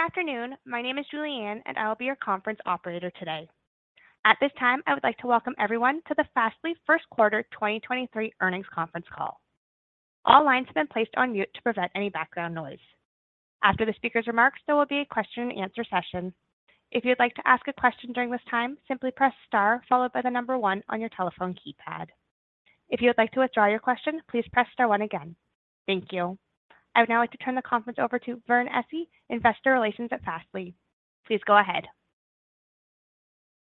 Good afternoon. My name is Julianne, and I will be your conference operator today. At this time, I would like to welcome everyone to the Fastly first quarter 2023 earnings conference call. All lines have been placed on mute to prevent any background noise. After the speaker's remarks, there will be a question and answer session. If you'd like to ask a question during this time, simply press star followed by the number one on your telephone keypad. If you would like to withdraw your question, please press star one again. Thank you. I would now like to turn the conference over to Vernon Essi, investor relations at Fastly. Please go ahead.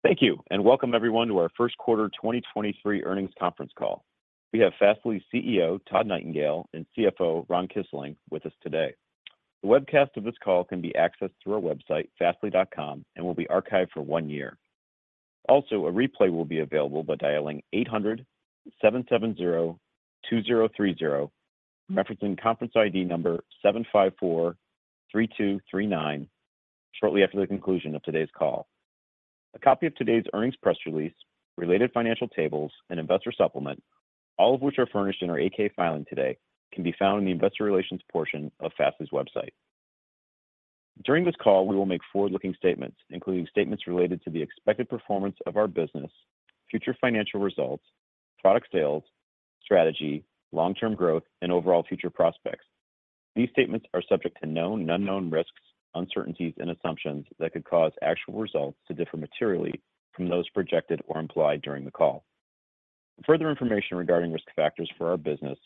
Thank you, and welcome everyone to our first quarter 2023 earnings conference call. We have Fastly CEO, Todd Nightingale, and CFO, Ron Kisling, with us today. The webcast of this call can be accessed through our website, fastly.com, and will be archived for one year. Also, a replay will be available by dialing 800-770-2030, referencing conference ID number 7543239 shortly after the conclusion of today's call. A copy of today's earnings press release, related financial tables, and investor supplement, all of which are furnished in our 8-K filing today, can be found in the investor relations portion of Fastly's website. During this call, we will make forward-looking statements, including statements related to the expected performance of our business, future financial results, product sales, strategy, long-term growth, and overall future prospects. These statements are subject to known and unknown risks, uncertainties, and assumptions that could cause actual results to differ materially from those projected or implied during the call. For further information regarding risk factors for our business,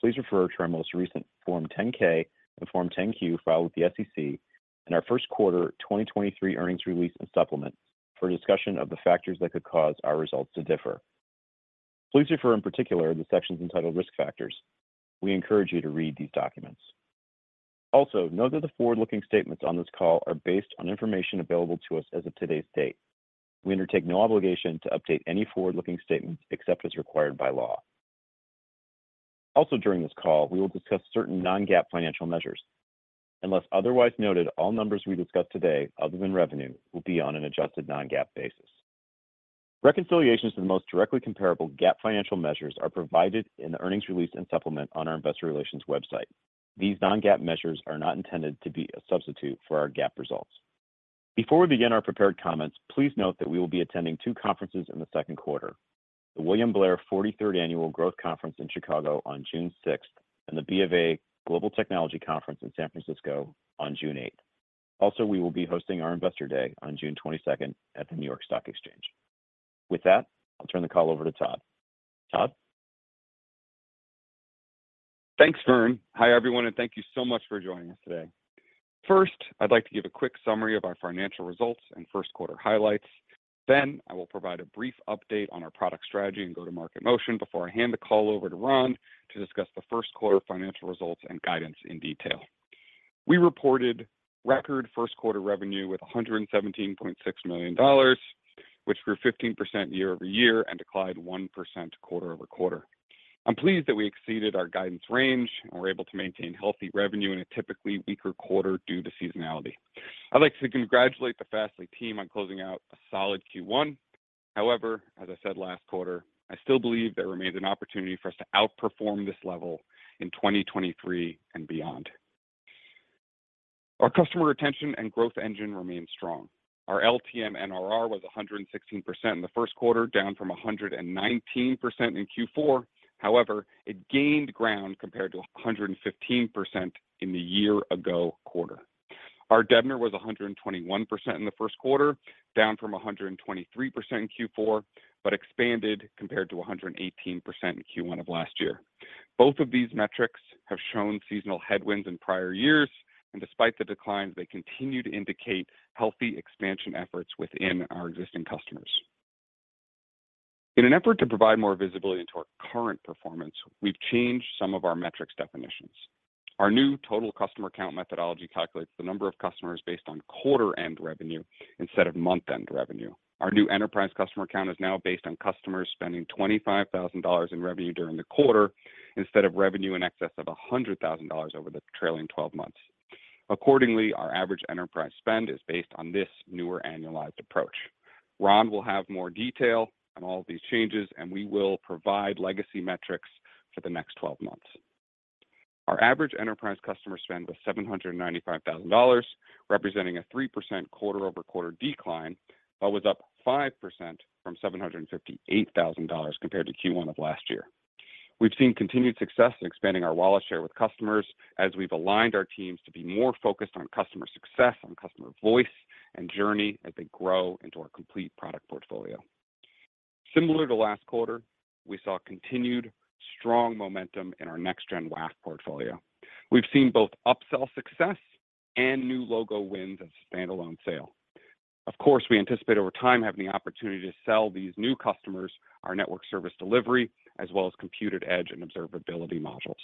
please refer to our most recent Form 10-K and Form 10-Q filed with the SEC and our first quarter 2023 earnings release and supplement for a discussion of the factors that could cause our results to differ. Please refer in particular to the sections entitled Risk Factors. We encourage you to read these documents. Also, note that the forward-looking statements on this call are based on information available to us as of today's date. We undertake no obligation to update any forward-looking statements except as required by law. Also during this call, we will discuss certain non-GAAP financial measures. Unless otherwise noted, all numbers we discuss today other than revenue will be on an adjusted non-GAAP basis. Reconciliations to the most directly comparable GAAP financial measures are provided in the earnings release and supplement on our investor relations website. These non-GAAP measures are not intended to be a substitute for our GAAP results. Before we begin our prepared comments, please note that we will be attending two conferences in the second quarter, the William Blair 43rd Annual Growth Conference in Chicago on June 6th, and the BofA Global Technology Conference in San Francisco on June 8th. Also, we will be hosting our Investor Day on June 22nd at the New York Stock Exchange. With that, I'll turn the call over to Todd. Todd? Thanks, Vern. Hi, everyone, thank you so much for joining us today. First, I'd like to give a quick summary of our financial results and first quarter highlights. I will provide a brief update on our product strategy and go-to-market motion before I hand the call over to Ron to discuss the first quarter financial results and guidance in detail. We reported record first quarter revenue with $117.6 million, which grew 15% year-over-year and declined 1% quarter-over-quarter. I'm pleased that we exceeded our guidance range, we're able to maintain healthy revenue in a typically weaker quarter due to seasonality. I'd like to congratulate the Fastly team on closing out a solid Q1. As I said last quarter, I still believe there remains an opportunity for us to outperform this level in 2023 and beyond. Our customer retention and growth engine remains strong. Our LTM NRR was 116% in the first quarter, down from 119% in Q4. It gained ground compared to 115% in the year-ago quarter. Our DBNER was 121% in the first quarter, down from 123% in Q4, expanded compared to 118% in Q1 of last year. Both of these metrics have shown seasonal headwinds in prior years, and despite the declines, they continue to indicate healthy expansion efforts within our existing customers. In an effort to provide more visibility into our current performance, we've changed some of our metrics definitions. Our new total customer count methodology calculates the number of customers based on quarter-end revenue instead of month-end revenue. Our new enterprise customer count is now based on customers spending $25,000 in revenue during the quarter instead of revenue in excess of $100,000 over the trailing 12 months. Our average enterprise spend is based on this newer annualized approach. Ron will have more detail on all of these changes, and we will provide legacy metrics for the next 12 months. Our average enterprise customer spend was $795,000, representing a 3% quarter-over-quarter decline but was up 5% from $758,000 compared to Q1 of last year. We've seen continued success in expanding our wallet share with customers as we've aligned our teams to be more focused on customer success, on customer voice, and journey as they grow into our complete product portfolio. Similar to last quarter, we saw continued strong momentum in our Next-Gen WAF portfolio. We've seen both upsell success and new logo wins as a standalone sale. Of course, we anticipate over time having the opportunity to sell these new customers our network service delivery as well as Compute@Edge and observability modules.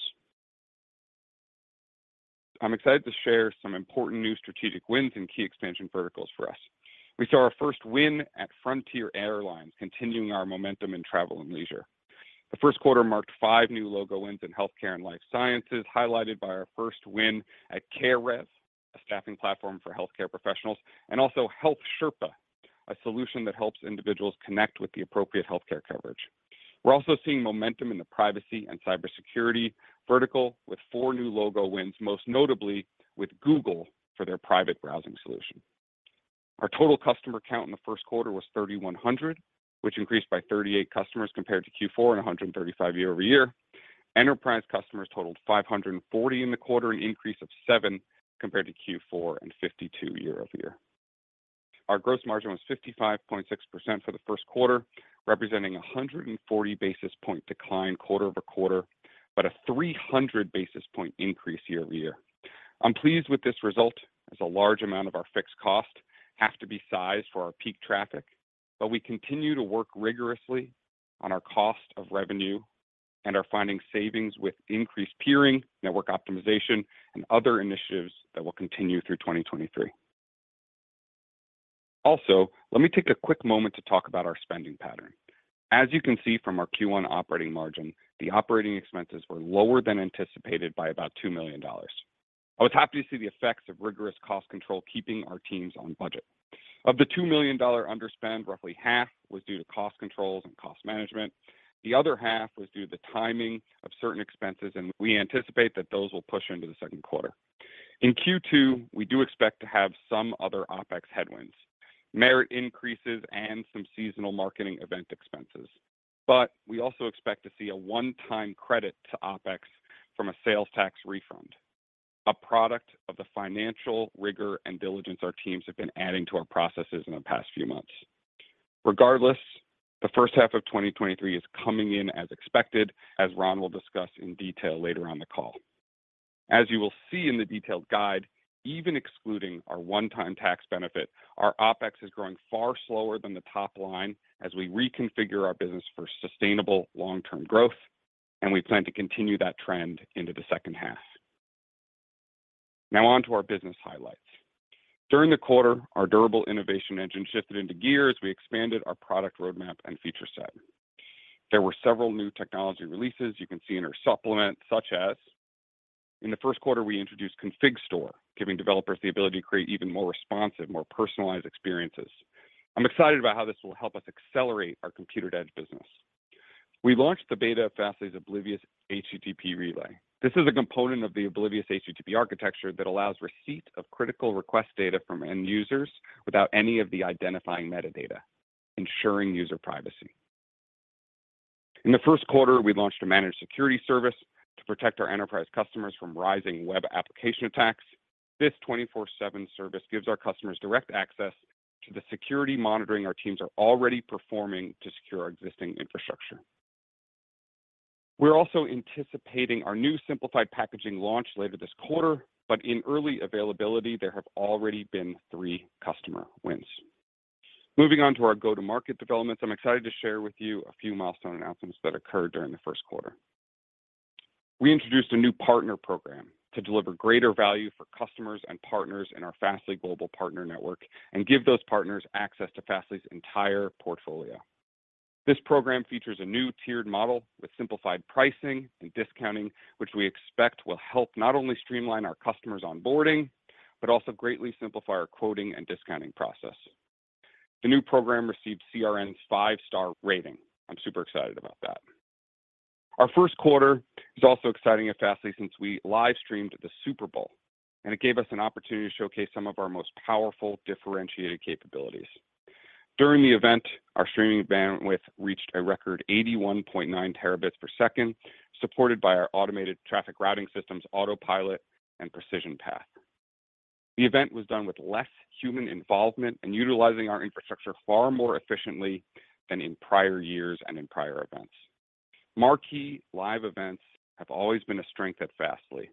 I'm excited to share some important new strategic wins and key expansion verticals for us. We saw our first win at Frontier Airlines, continuing our momentum in travel and leisure. The first quarter marked five new logo wins in healthcare and life sciences, highlighted by our first win at CareRev, a staffing platform for healthcare professionals, and also HealthSherpa, a solution that helps individuals connect with the appropriate healthcare coverage. We're also seeing momentum in the privacy and cybersecurity vertical with four new logo wins, most notably with Google for their private browsing solution. Our total customer count in the first quarter was 3,100, which increased by 38 customers compared to Q4 and 135 year-over-year. Enterprise customers totaled 540 in the quarter, an increase of seven compared to Q4 and 52 year-over-year. Our gross margin was 55.6% for the first quarter, representing a 140 basis point decline quarter-over-quarter, a 300 basis point increase year-over-year. I'm pleased with this result as a large amount of our fixed cost have to be sized for our peak traffic, we continue to work rigorously on our cost of revenue and are finding savings with increased peering, network optimization, and other initiatives that will continue through 2023. Also, let me take a quick moment to talk about our spending pattern. As you can see from our Q1 operating margin, the operating expenses were lower than anticipated by about $2 million. I was happy to see the effects of rigorous cost control keeping our teams on budget. Of the $2 million underspend, roughly half was due to cost controls and cost management. The other half was due to the timing of certain expenses, we anticipate that those will push into the second quarter. In Q2, we do expect to have some other OpEx headwinds, merit increases, and some seasonal marketing event expenses. We also expect to see a one-time credit to OpEx from a sales tax refund, a product of the financial rigor and diligence our teams have been adding to our processes in the past few months. Regardless, the first half of 2023 is coming in as expected, as Ron will discuss in detail later on the call. As you will see in the detailed guide, even excluding our one-time tax benefit, our OpEx is growing far slower than the top line as we reconfigure our business for sustainable long-term growth, and we plan to continue that trend into the second half. Now on to our business highlights. During the quarter, our durable innovation engine shifted into gear as we expanded our product roadmap and feature set. There were several new technology releases you can see in our supplement, such as in the first quarter, we introduced Config Store, giving developers the ability to create even more responsive, more personalized experiences. I'm excited about how this will help us accelerate our Compute@Edge business. We launched the beta of Fastly's Oblivious HTTP Relay. This is a component of the Oblivious HTTP architecture that allows receipt of critical request data from end users without any of the identifying metadata, ensuring user privacy. In the first quarter, we launched a Managed Security Service to protect our enterprise customers from rising web application attacks. This 24/7 service gives our customers direct access to the security monitoring our teams are already performing to secure our existing infrastructure. We're also anticipating our new simplified packaging launch later this quarter, but in early availability, there have already been three customer wins. Moving on to our go-to-market developments, I'm excited to share with you a few milestone announcements that occurred during the first quarter. We introduced a new partner program to deliver greater value for customers and partners in our Fastly Global Partner Network and give those partners access to Fastly's entire portfolio. This program features a new tiered model with simplified pricing and discounting, which we expect will help not only streamline our customers onboarding, but also greatly simplify our quoting and discounting process. The new program received CRN's five-star rating. I'm super excited about that. Our first quarter is also exciting at Fastly since we livestreamed the Super Bowl, and it gave us an opportunity to showcase some of our most powerful, differentiated capabilities. During the event, our streaming bandwidth reached a record 81.9 Tbps, supported by our automated traffic routing systems, Autopilot and Precision Path. The event was done with less human involvement and utilizing our infrastructure far more efficiently than in prior years and in prior events. Marquee live events have always been a strength at Fastly,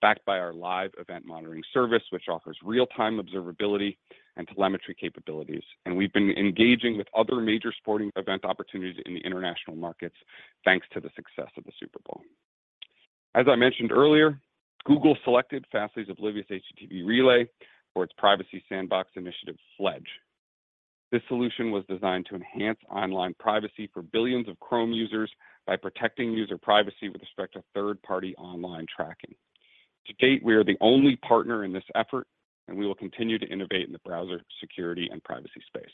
backed by our live event monitoring service, which offers real-time observability and telemetry capabilities. We've been engaging with other major sporting event opportunities in the international markets, thanks to the success of the Super Bowl. As I mentioned earlier, Google selected Fastly's Oblivious HTTP Relay for its Privacy Sandbox initiative, FLEDGE. This solution was designed to enhance online privacy for billions of Chrome users by protecting user privacy with respect to third-party online tracking. To date, we are the only partner in this effort, and we will continue to innovate in the browser security and privacy space.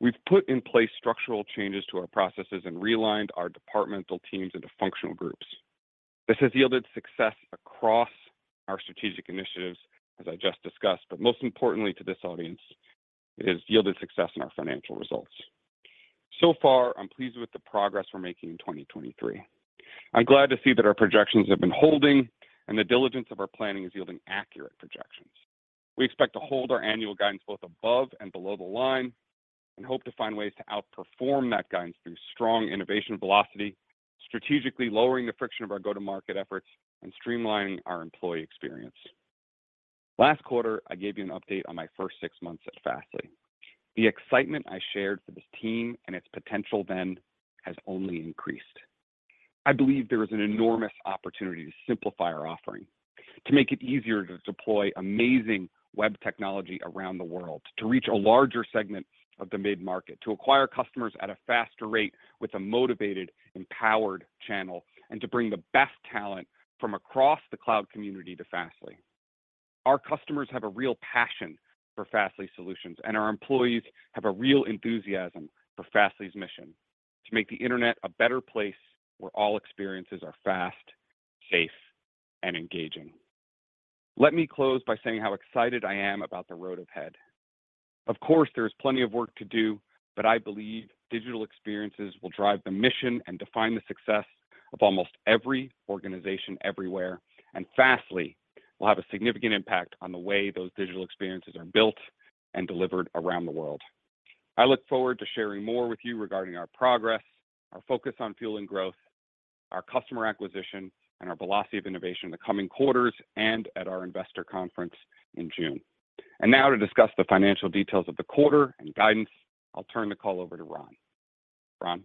We've put in place structural changes to our processes and realigned our departmental teams into functional groups. This has yielded success across our strategic initiatives, as I just discussed, but most importantly to this audience, it has yielded success in our financial results. So far, I'm pleased with the progress we're making in 2023. I'm glad to see that our projections have been holding, and the diligence of our planning is yielding accurate projections. We expect to hold our annual guidance both above and below the line and hope to find ways to outperform that guidance through strong innovation velocity, strategically lowering the friction of our go-to-market efforts, and streamlining our employee experience. Last quarter, I gave you an update on my first six months at Fastly. The excitement I shared for this team and its potential then has only increased. I believe there is an enormous opportunity to simplify our offering, to make it easier to deploy amazing web technology around the world, to reach a larger segment of the mid-market, to acquire customers at a faster rate with a motivated, empowered channel, and to bring the best talent from across the cloud community to Fastly. Our customers have a real passion for Fastly solutions, and our employees have a real enthusiasm for Fastly's mission to make the Internet a better place where all experiences are fast, safe, and engaging. Let me close by saying how excited I am about the road ahead. Of course, there is plenty of work to do, but I believe digital experiences will drive the mission and define the success of almost every organization everywhere, and Fastly will have a significant impact on the way those digital experiences are built and delivered around the world. I look forward to sharing more with you regarding our progress, our focus on fueling growth, our customer acquisition, and our velocity of innovation in the coming quarters and at our investor conference in June. Now to discuss the financial details of the quarter and guidance, I'll turn the call over to Ron. Ron?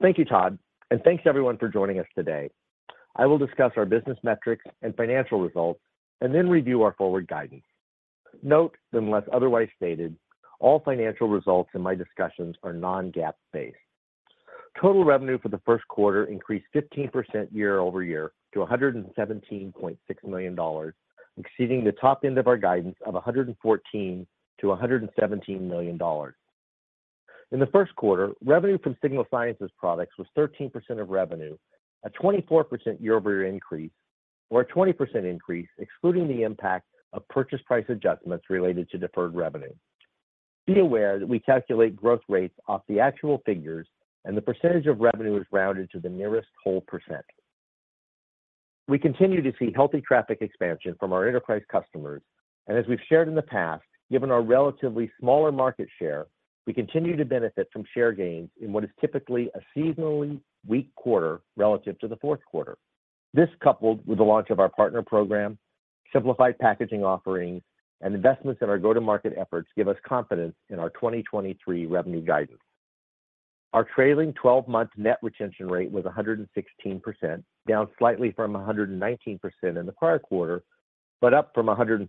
Thank you, Todd, thanks everyone for joining us today. I will discuss our business metrics and financial results then review our forward guidance. Note, unless otherwise stated, all financial results in my discussions are non-GAAP based. Total revenue for the first quarter increased 15% year-over-year to $117.6 million, exceeding the top end of our guidance of $114 million-$117 million. In the first quarter, revenue from Signal Sciences products was 13% of revenue, a 24% year-over-year increase, or a 20% increase excluding the impact of purchase price adjustments related to deferred revenue. Be aware that we calculate growth rates off the actual figures, and the percentage of revenue is rounded to the nearest whole percent. We continue to see healthy traffic expansion from our enterprise customers, and as we've shared in the past, given our relatively smaller market share, we continue to benefit from share gains in what is typically a seasonally weak quarter relative to the fourth quarter. This, coupled with the launch of our partner program, simplified packaging offerings, and investments in our go-to-market efforts, give us confidence in our 2023 revenue guidance. Our trailing 12-month net retention rate was 116%, down slightly from 119% in the prior quarter, but up from 115%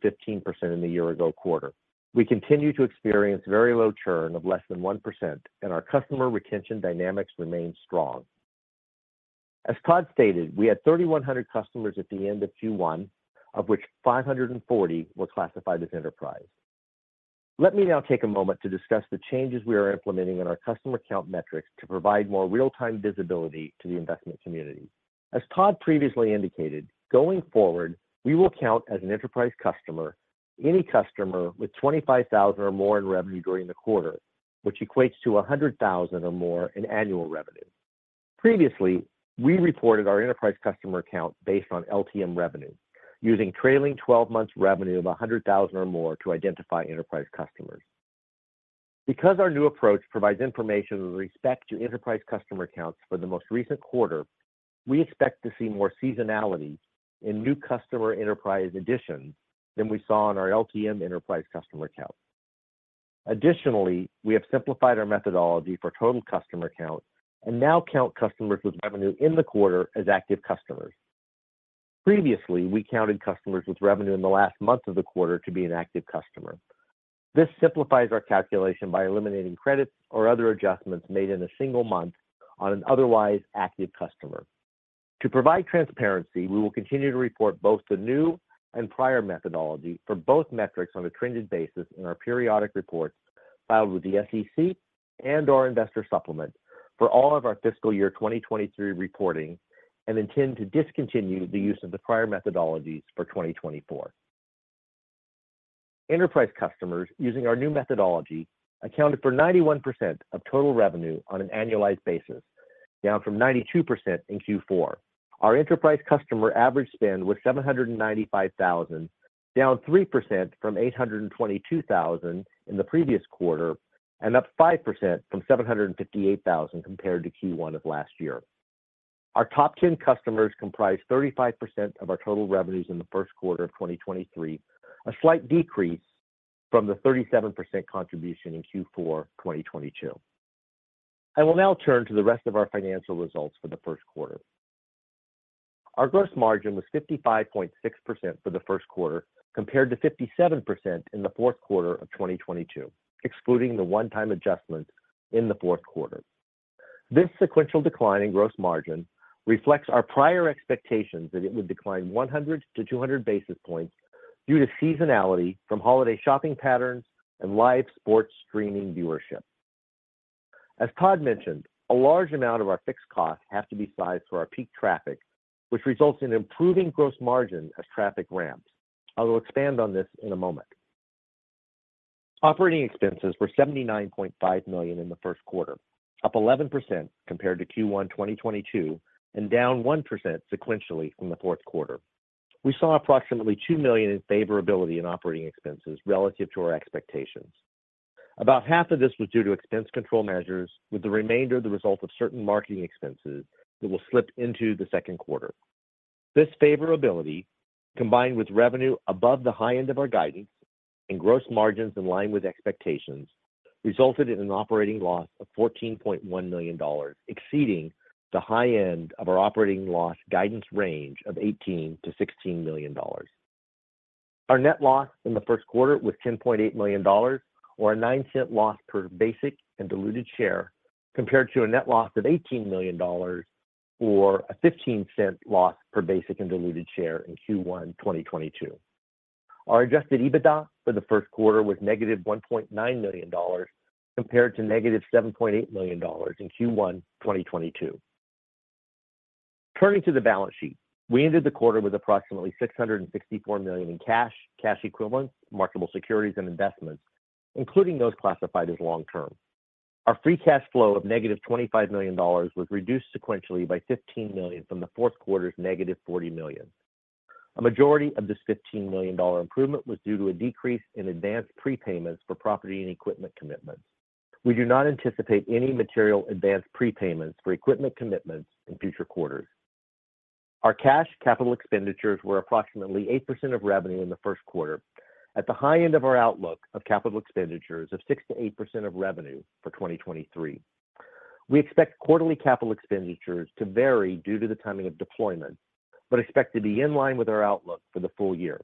in the year-ago quarter. We continue to experience very low churn of less than 1%, and our customer retention dynamics remain strong. As Todd stated, we had 3,100 customers at the end of Q1, of which 540 were classified as enterprise. Let me now take a moment to discuss the changes we are implementing in our customer count metrics to provide more real-time visibility to the investment community. As Todd previously indicated, going forward, we will count as an enterprise customer any customer with $25,000 or more in revenue during the quarter, which equates to $100,000 or more in annual revenue. Previously, we reported our enterprise customer count based on LTM revenue using trailing 12 months revenue of $100,000 or more to identify enterprise customers. Our new approach provides information with respect to enterprise customer counts for the most recent quarter, we expect to see more seasonality in new customer enterprise additions than we saw in our LTM enterprise customer count. Additionally, we have simplified our methodology for total customer count and now count customers with revenue in the quarter as active customers. Previously, we counted customers with revenue in the last month of the quarter to be an active customer. This simplifies our calculation by eliminating credits or other adjustments made in a single month on an otherwise active customer. To provide transparency, we will continue to report both the new and prior methodology for both metrics on a trended basis in our periodic reports filed with the SEC and/or investor supplement for all of our fiscal year 2023 reporting and intend to discontinue the use of the prior methodologies for 2024. Enterprise customers using our new methodology accounted for 91% of total revenue on an annualized basis, down from 92% in Q4. Our enterprise customer average spend was $795,000, down 3% from $822,000 in the previous quarter and up 5% from $758,000 compared to Q1 of last year. Our top 10 customers comprised 35% of our total revenues in the first quarter of 2023, a slight decrease from the 37% contribution in Q4 2022. I will now turn to the rest of our financial results for the first quarter. Our gross margin was 55.6% for the first quarter compared to 57% in the fourth quarter of 2022, excluding the one-time adjustments in the fourth quarter. This sequential decline in gross margin reflects our prior expectations that it would decline 100 to 200 basis points due to seasonality from holiday shopping patterns and live sports streaming viewership. As Todd mentioned, a large amount of our fixed costs have to be sized for our peak traffic, which results in improving gross margin as traffic ramps. I will expand on this in a moment. Operating expenses were $79.5 million in the first quarter, up 11% compared to Q1 2022, down 1% sequentially from the fourth quarter. We saw approximately $2 million in favorability in operating expenses relative to our expectations. About half of this was due to expense control measures, with the remainder the result of certain marketing expenses that will slip into the second quarter. This favorability, combined with revenue above the high end of our guidance and gross margins in line with expectations, resulted in an operating loss of $14.1 million, exceeding the high end of our operating loss guidance range of $18 million-$16 million. Our net loss in the first quarter was $10.8 million or a $0.09 loss per basic and diluted share compared to a net loss of $18 million or a $0.15 loss per basic and diluted share in Q1 2022. Our adjusted EBITDA for the first quarter was -$1.9 million compared to -$7.8 million in Q1 2022. Turning to the balance sheet, we ended the quarter with approximately $664 million in cash equivalents, marketable securities, and investments, including those classified as long-term. Our free cash flow of -$25 million was reduced sequentially by $15 million from the fourth quarter's -$40 million. A majority of this $15 million improvement was due to a decrease in advanced prepayments for property and equipment commitments. We do not anticipate any material advanced prepayments for equipment commitments in future quarters. Our cash capital expenditures were approximately 8% of revenue in the first quarter at the high end of our outlook of capital expenditures of 6%-8% of revenue for 2023. We expect quarterly capital expenditures to vary due to the timing of deployment but expect to be in line with our outlook for the full year.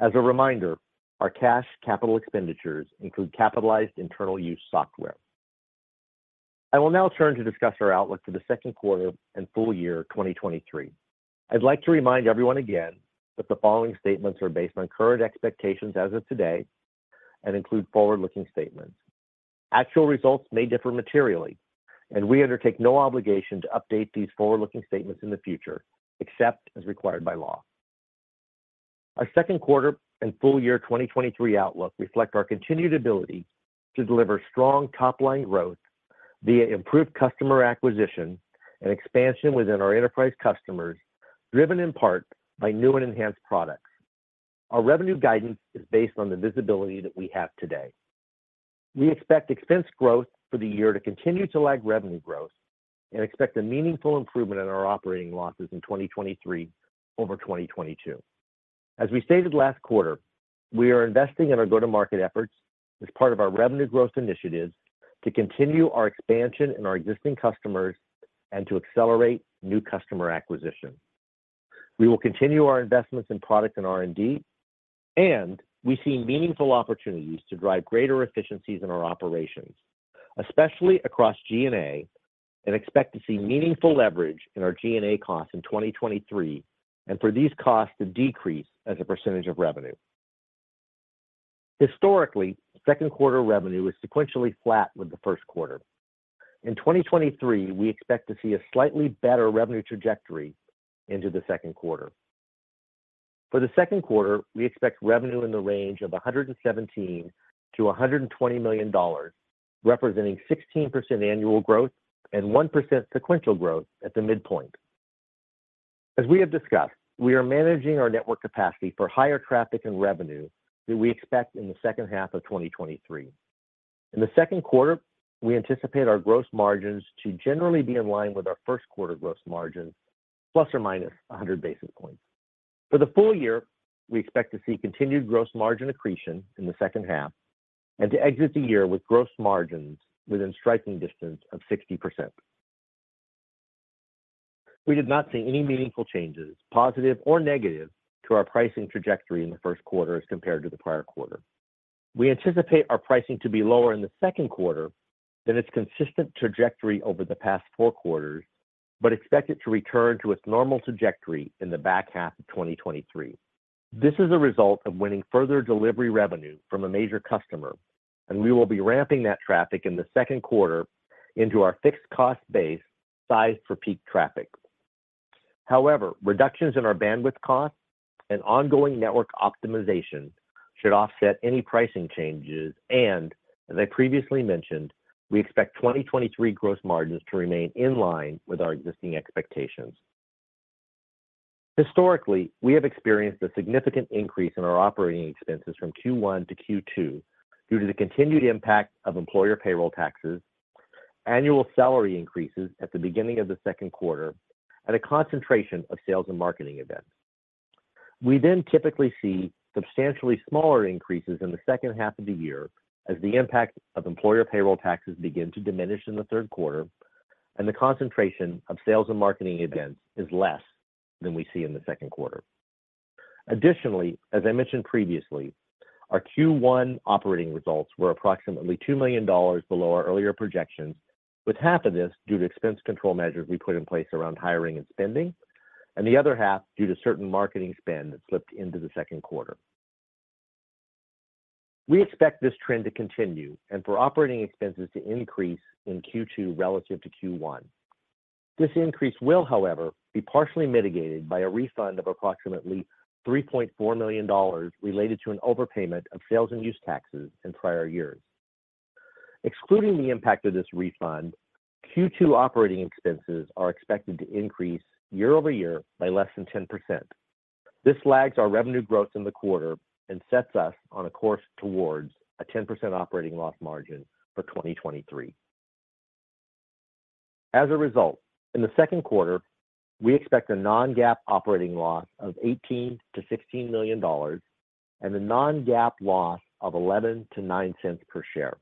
As a reminder, our cash capital expenditures include capitalized internal use software. I will now turn to discuss our outlook for the second quarter and full year 2023. I'd like to remind everyone again that the following statements are based on current expectations as of today and include forward-looking statements. Actual results may differ materially, and we undertake no obligation to update these forward-looking statements in the future, except as required by law. Our second quarter and full year 2023 outlook reflect our continued ability to deliver strong top-line growth via improved customer acquisition and expansion within our enterprise customers, driven in part by new and enhanced products. Our revenue guidance is based on the visibility that we have today. We expect expense growth for the year to continue to lag revenue growth and expect a meaningful improvement in our operating losses in 2023 over 2022. As we stated last quarter, we are investing in our go-to-market efforts as part of our revenue growth initiatives to continue our expansion in our existing customers and to accelerate new customer acquisition. We will continue our investments in product and R&D, and we see meaningful opportunities to drive greater efficiencies in our operations, especially across G&A, and expect to see meaningful leverage in our G&A costs in 2023 and for these costs to decrease as a % of revenue. Historically, second quarter revenue is sequentially flat with the first quarter. In 2023, we expect to see a slightly better revenue trajectory into the second quarter. For the second quarter, we expect revenue in the range of $117 million-$120 million, representing 16% annual growth and 1% sequential growth at the midpoint. As we have discussed, we are managing our network capacity for higher traffic and revenue that we expect in the second half of 2023. In the second quarter, we anticipate our gross margins to generally be in line with our first quarter gross margin, plus or minus 100 basis points. For the full year, we expect to see continued gross margin accretion in the second half and to exit the year with gross margins within striking distance of 60%. We did not see any meaningful changes, positive or negative, to our pricing trajectory in the first quarter as compared to the prior quarter. We anticipate our pricing to be lower in the second quarter than its consistent trajectory over the past four quarters but expect it to return to its normal trajectory in the back half of 2023. This is a result of winning further delivery revenue from a major customer, and we will be ramping that traffic in the second quarter into our fixed cost base sized for peak traffic. However, reductions in our bandwidth costs and ongoing network optimization should offset any pricing changes. As I previously mentioned, we expect 2023 gross margins to remain in line with our existing expectations. Historically, we have experienced a significant increase in our operating expenses from Q1 to Q2 due to the continued impact of employer payroll taxes, annual salary increases at the beginning of the second quarter, and a concentration of sales and marketing events. We typically see substantially smaller increases in the second half of the year as the impact of employer payroll taxes begin to diminish in the third quarter and the concentration of sales and marketing events is less than we see in the second quarter. Additionally, as I mentioned previously, our Q1 operating results were approximately $2 million below our earlier projections, with half of this due to expense control measures we put in place around hiring and spending, and the other half due to certain marketing spend that slipped into the second quarter. We expect this trend to continue and for operating expenses to increase in Q2 relative to Q1. This increase will, however, be partially mitigated by a refund of approximately $3.4 million related to an overpayment of sales and use taxes in prior years. Excluding the impact of this refund, Q2 operating expenses are expected to increase year-over-year by less than 10%. This lags our revenue growth in the quarter and sets us on a course towards a 10% operating loss margin for 2023. As a result, in the second quarter, we expect a non-GAAP operating loss of $18 million-$16 million and a non-GAAP loss of $0.11-$0.09 per share.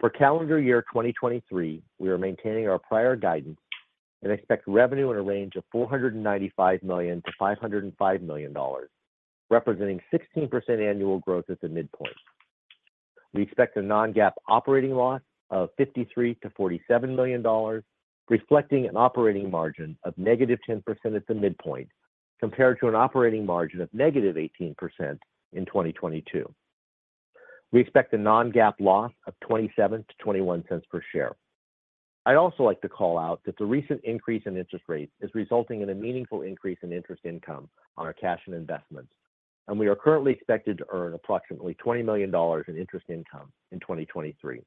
For calendar year 2023, we are maintaining our prior guidance and expect revenue in a range of $495 million-$505 million, representing 16% annual growth at the midpoint. We expect a non-GAAP operating loss of $53 million-$47 million, reflecting an operating margin of -10% at the midpoint compared to an operating margin of -18% in 2022. We expect a non-GAAP loss of $0.27-$0.21 per share. I'd also like to call out that the recent increase in interest rates is resulting in a meaningful increase in interest income on our cash and investments. We are currently expected to earn approximately $20 million in interest income in 2023.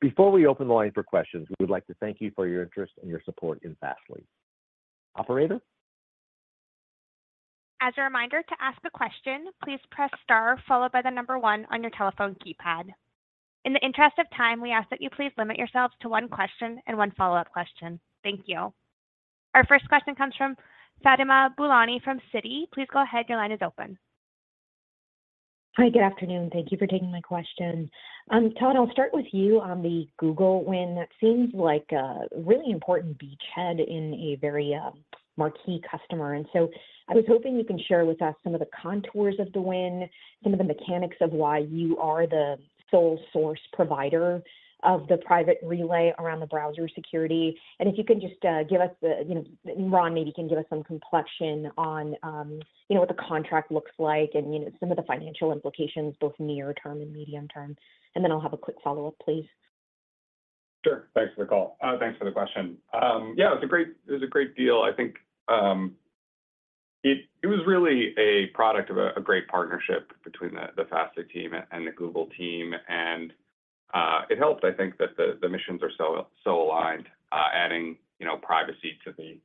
Before we open the line for questions, we would like to thank you for your interest and your support in Fastly. Operator. As a reminder, to ask a question, please press star followed by one on your telephone keypad. In the interest of time, we ask that you please limit yourselves to one question and one follow-up question. Thank you. Our first question comes from Fatima Boolani from Citi. Please go ahead. Your line is open. Hi. Good afternoon. Thank you for taking my question. Todd, I'll start with you on the Google win. That seems like a really important beachhead in a very marquee customer. I was hoping you can share with us some of the contours of the win, some of the mechanics of why you are the sole source provider of the private relay around the browser security. If you can just give us the You know, Ron maybe can give us some complexion on, you know, what the contract looks like and, you know, some of the financial implications, both near term and medium term. Then I'll have a quick follow-up, please. Sure. Thanks for the call. Thanks for the question. Yeah, it was a great deal. I think, it was really a product of a great partnership between the Fastly team and the Google team. It helped, I think, that the missions are so aligned, adding, you know, privacy to the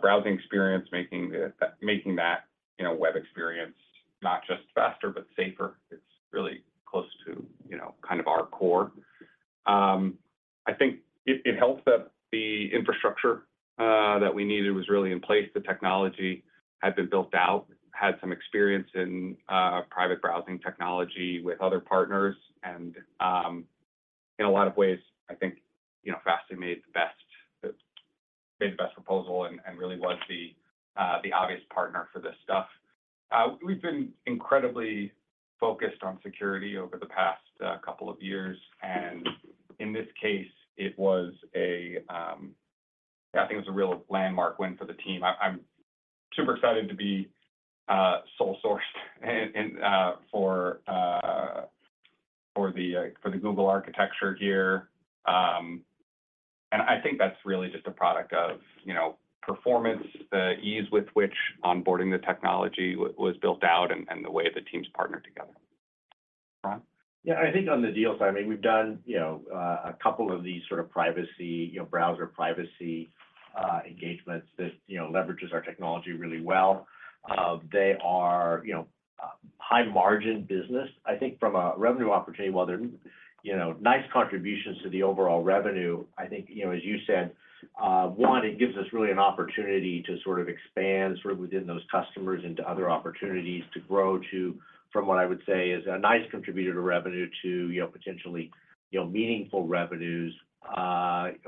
browsing experience, making that, you know, web experience not just faster but safer. It's really close to, you know, kind of our core. I think it helps that the infrastructure that we needed was really in place. The technology had been built out, had some experience in private browsing technology with other partners. In a lot of ways, I think, you know, Fastly made the best, made the best proposal and really was the obvious partner for this stuff. We've been incredibly focused on security over the past couple of years, and in this case, I think it was a real landmark win for the team. I'm super excited to be sole sourced in for the Google architecture here. I think that's really just a product of, you know, performance, the ease with which onboarding the technology was built out and the way the teams partnered together. Ron? I think on the deal side, I mean, we've done, you know, a couple of these sort of privacy, you know, browser privacy engagements that, you know, leverages our technology really well. They are, you know, high margin business. I think from a revenue opportunity, while they're, you know, nice contributions to the overall revenue, I think, you know, as you said, one, it gives us really an opportunity to sort of expand sort of within those customers into other opportunities to grow to, from what I would say is a nice contributor to revenue to, you know, potentially, you know, meaningful revenues,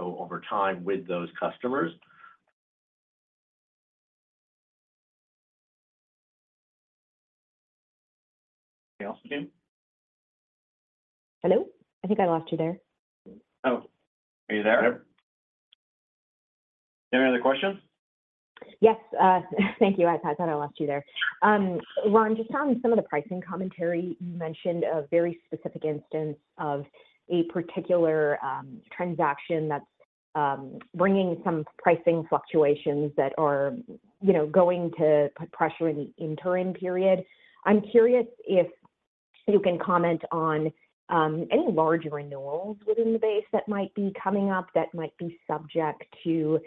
over time with those customers. Anything else, team? Hello? I think I lost you there. Oh, are you there? Any other questions? Yes. thank you. I thought I lost you there. Ron, just on some of the pricing commentary, you mentioned a very specific instance of a particular transaction that's bringing some pricing fluctuations that are, you know, going to put pressure in the interim period. I'm curious if you can comment on any large renewals within the base that might be coming up that might be subject to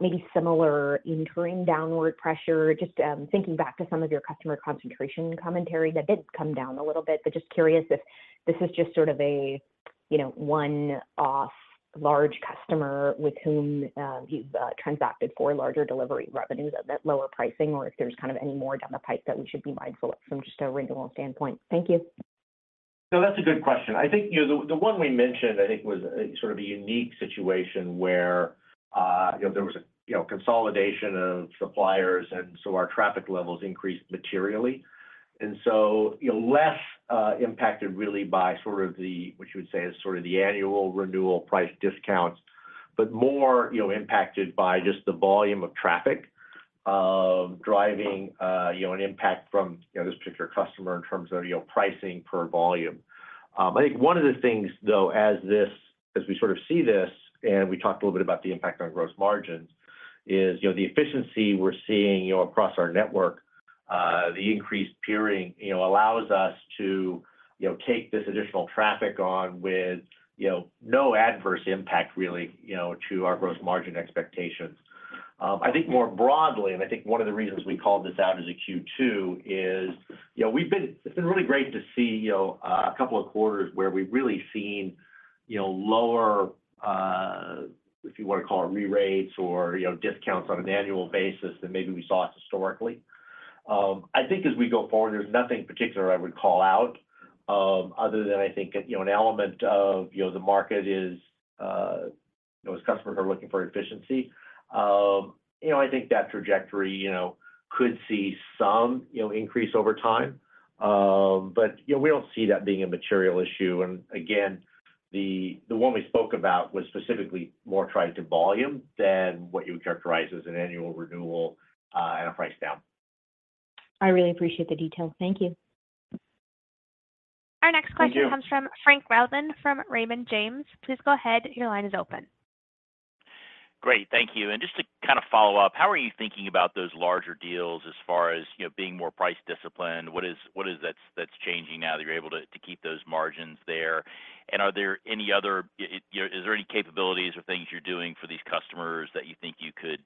maybe similar interim downward pressure. Just thinking back to some of your customer concentration commentary, that did come down a little bit, but just curious if this is just sort of a, you know, one-off large customer with whom you've transacted for larger delivery revenues at lower pricing or if there's kind of any more down the pipe that we should be mindful of from just a renewal standpoint. Thank you. No, that's a good question. I think, you know, the one we mentioned, I think was a sort of a unique situation where, you know, there was a, you know, consolidation of suppliers, our traffic levels increased materially. Less, you know, impacted really by sort of the, what you would say is sort of the annual renewal price discounts, but more, you know, impacted by just the volume of traffic, driving, you know, an impact from, you know, this particular customer in terms of, you know, pricing per volume. I think one of the things though as we sort of see this, and we talked a little bit about the impact on gross margins, is, you know, the efficiency we're seeing, you know, across our network. The increased peering, you know, allows us to, you know, take this additional traffic on with, you know, no adverse impact really, you know, to our gross margin expectations. I think more broadly, I think one of the reasons we called this out as a Q2 is, you know, it's been really great to see, you know, a couple of quarters where we've really seen, you know, lower, if you wanna call it re-rates or, you know, discounts on an annual basis than maybe we saw historically. I think as we go forward, there's nothing particular I would call out, other than I think, you know, an element of, you know, the market is, those customers are looking for efficiency. You know, I think that trajectory, you know, could see some, you know, increase over time. You know, we don't see that being a material issue. Again, the one we spoke about was specifically more tied to volume than what you would characterize as an annual renewal at a price down. I really appreciate the detail. Thank you. Our next question comes from Frank Louthan from Raymond James. Please go ahead. Your line is open. Great. Thank you. Just to kind of follow up, how are you thinking about those larger deals as far as, you know, being more price disciplined? What is that's changing now that you're able to keep those margins there? Are there any other You know, is there any capabilities or things you're doing for these customers that you think you could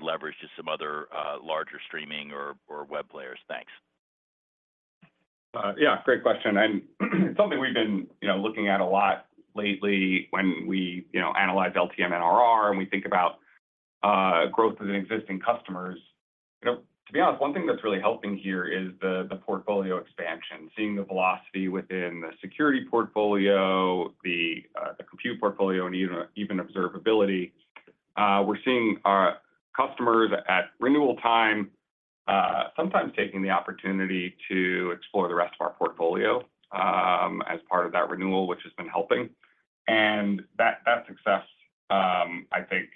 leverage to some other, larger streaming or web players? Thanks. Yeah, great question, something we've been, you know, looking at a lot lately when we, you know, analyze LTM NRR and we think about growth of the existing customers. You know, to be honest, one thing that's really helping here is the portfolio expansion. Seeing the velocity within the security portfolio, the Compute portfolio, and even observability. We're seeing our customers at renewal time, sometimes taking the opportunity to explore the rest of our portfolio as part of that renewal, which has been helping. That success, I think